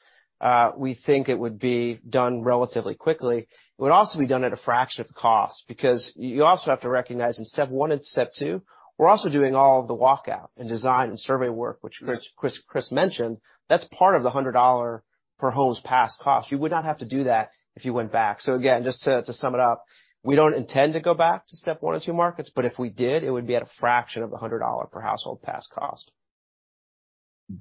we think it would be done relatively quickly. It would also be done at a fraction of the cost because you also have to recognize in step one and step two, we're also doing all the walkout and design and survey work, which Chris mentioned. That's part of the $100 per home's pass cost. You would not have to do that if you went back. Again, just to sum it up, we don't intend to go back to step 1 and 2 markets, but if we did, it would be at a fraction of the $100 per household pass cost.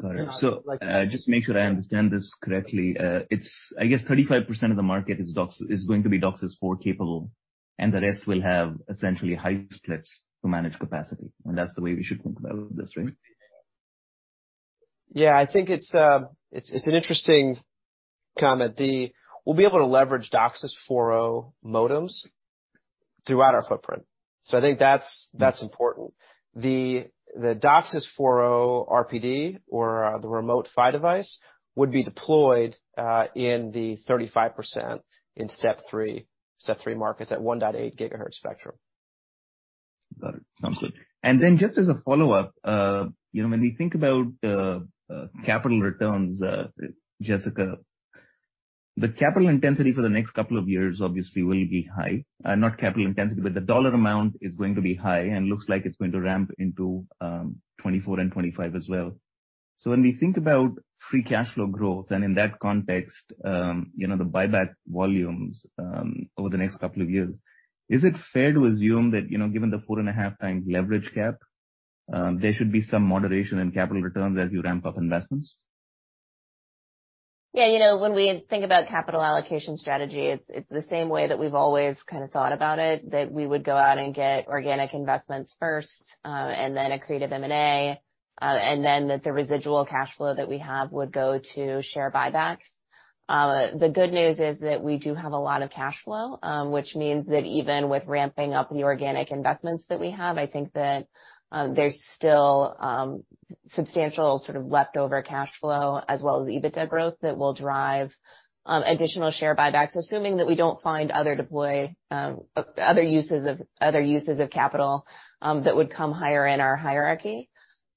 Got it. Just to make sure I understand this correctly, it's I guess 35% of the market is going to be DOCSIS 4.0 capable, and the rest will have essentially high splits to manage capacity, and that's the way we should think about this, right? Yeah, I think it's an interesting comment. We'll be able to leverage DOCSIS 4.0 modems throughout our footprint. I think that's important. The, the DOCSIS 4.0 RPD or, the Remote PHY Device would be deployed in the 35% in step three markets at 1.8 GHz Spectrum. Got it. Sounds good. Just as a follow-up, you know, when we think about capital returns, Jessica, the capital intensity for the next couple of years obviously will be high. Not capital intensity, but the dollar amount is going to be high and looks like it's going to ramp into 2024 and 2025 as well. When we think about free cash flow growth and in that context, you know, the buyback volumes over the next couple of years, is it fair to assume that, you know, given the 4.5 times leverage cap, there should be some moderation in capital returns as you ramp up investments? Yeah. You know, when we think about capital allocation strategy, it's the same way that we've always kind of thought about it, we would go out and get organic investments first, and then accretive M&A, and then the residual cash flow that we have would go to share buybacks. The good news is that we do have a lot of cash flow, which means that even with ramping up the organic investments that we have, I think that there's still substantial sort of leftover cash flow as well as EBITDA growth that will drive additional share buybacks, assuming that we don't find other deploy, other uses of capital that would come higher in our hierarchy.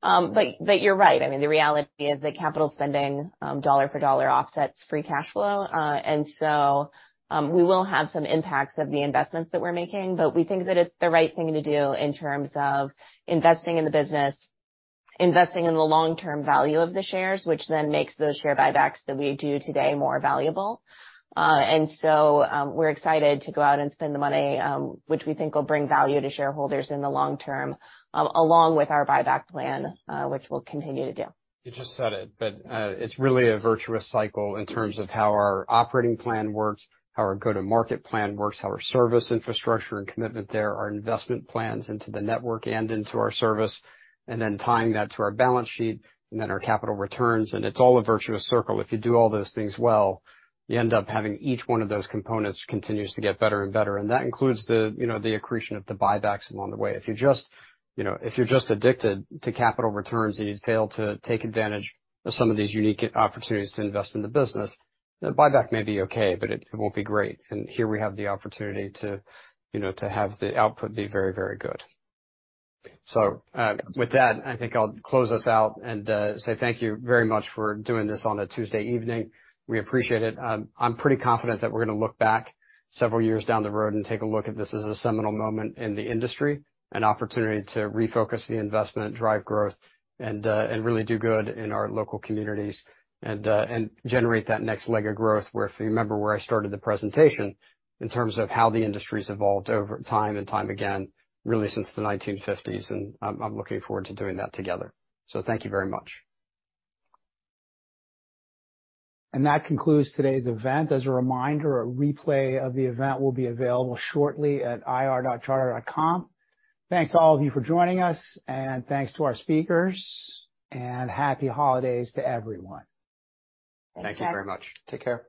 You're right. I mean, the reality is that capital spending, dollar for dollar offsets free cash flow. We will have some impacts of the investments that we're making, but we think that it's the right thing to do in terms of investing in the business, investing in the long-term value of the shares, which then makes those share buybacks that we do today more valuable. We're excited to go out and spend the money, which we think will bring value to shareholders in the long term, along with our buyback plan, which we'll continue to do. You just said it's really a virtuous cycle in terms of how our operating plan works, how our go-to-market plan works, how our service infrastructure and commitment there, our investment plans into the network and into our service, and then tying that to our balance sheet and then our capital returns, and it's all a virtuous circle. If you do all those things well, you end up having each one of those components continues to get better and better, and that includes the, you know, the accretion of the buybacks along the way. If you just, you know, if you're just addicted to capital returns and you fail to take advantage of some of these unique opportunities to invest in the business, the buyback may be okay, it won't be great. Here we have the opportunity to, you know, to have the output be very, very good. With that, I think I'll close us out and say thank you very much for doing this on a Tuesday evening. We appreciate it. I'm pretty confident that we're gonna look back several years down the road and take a look at this as a seminal moment in the industry, an opportunity to refocus the investment, drive growth, and really do good in our local communities and generate that next leg of growth, where if you remember where I started the presentation, in terms of how the industry's evolved over time and time again, really since the 1950s, and I'm looking forward to doing that together. Thank you very much. That concludes today's event. As a reminder, a replay of the event will be available shortly at ir.charter.com. Thanks to all of you for joining us, and thanks to our speakers, and happy holidays to everyone. Thanks. Thank you very much. Take care.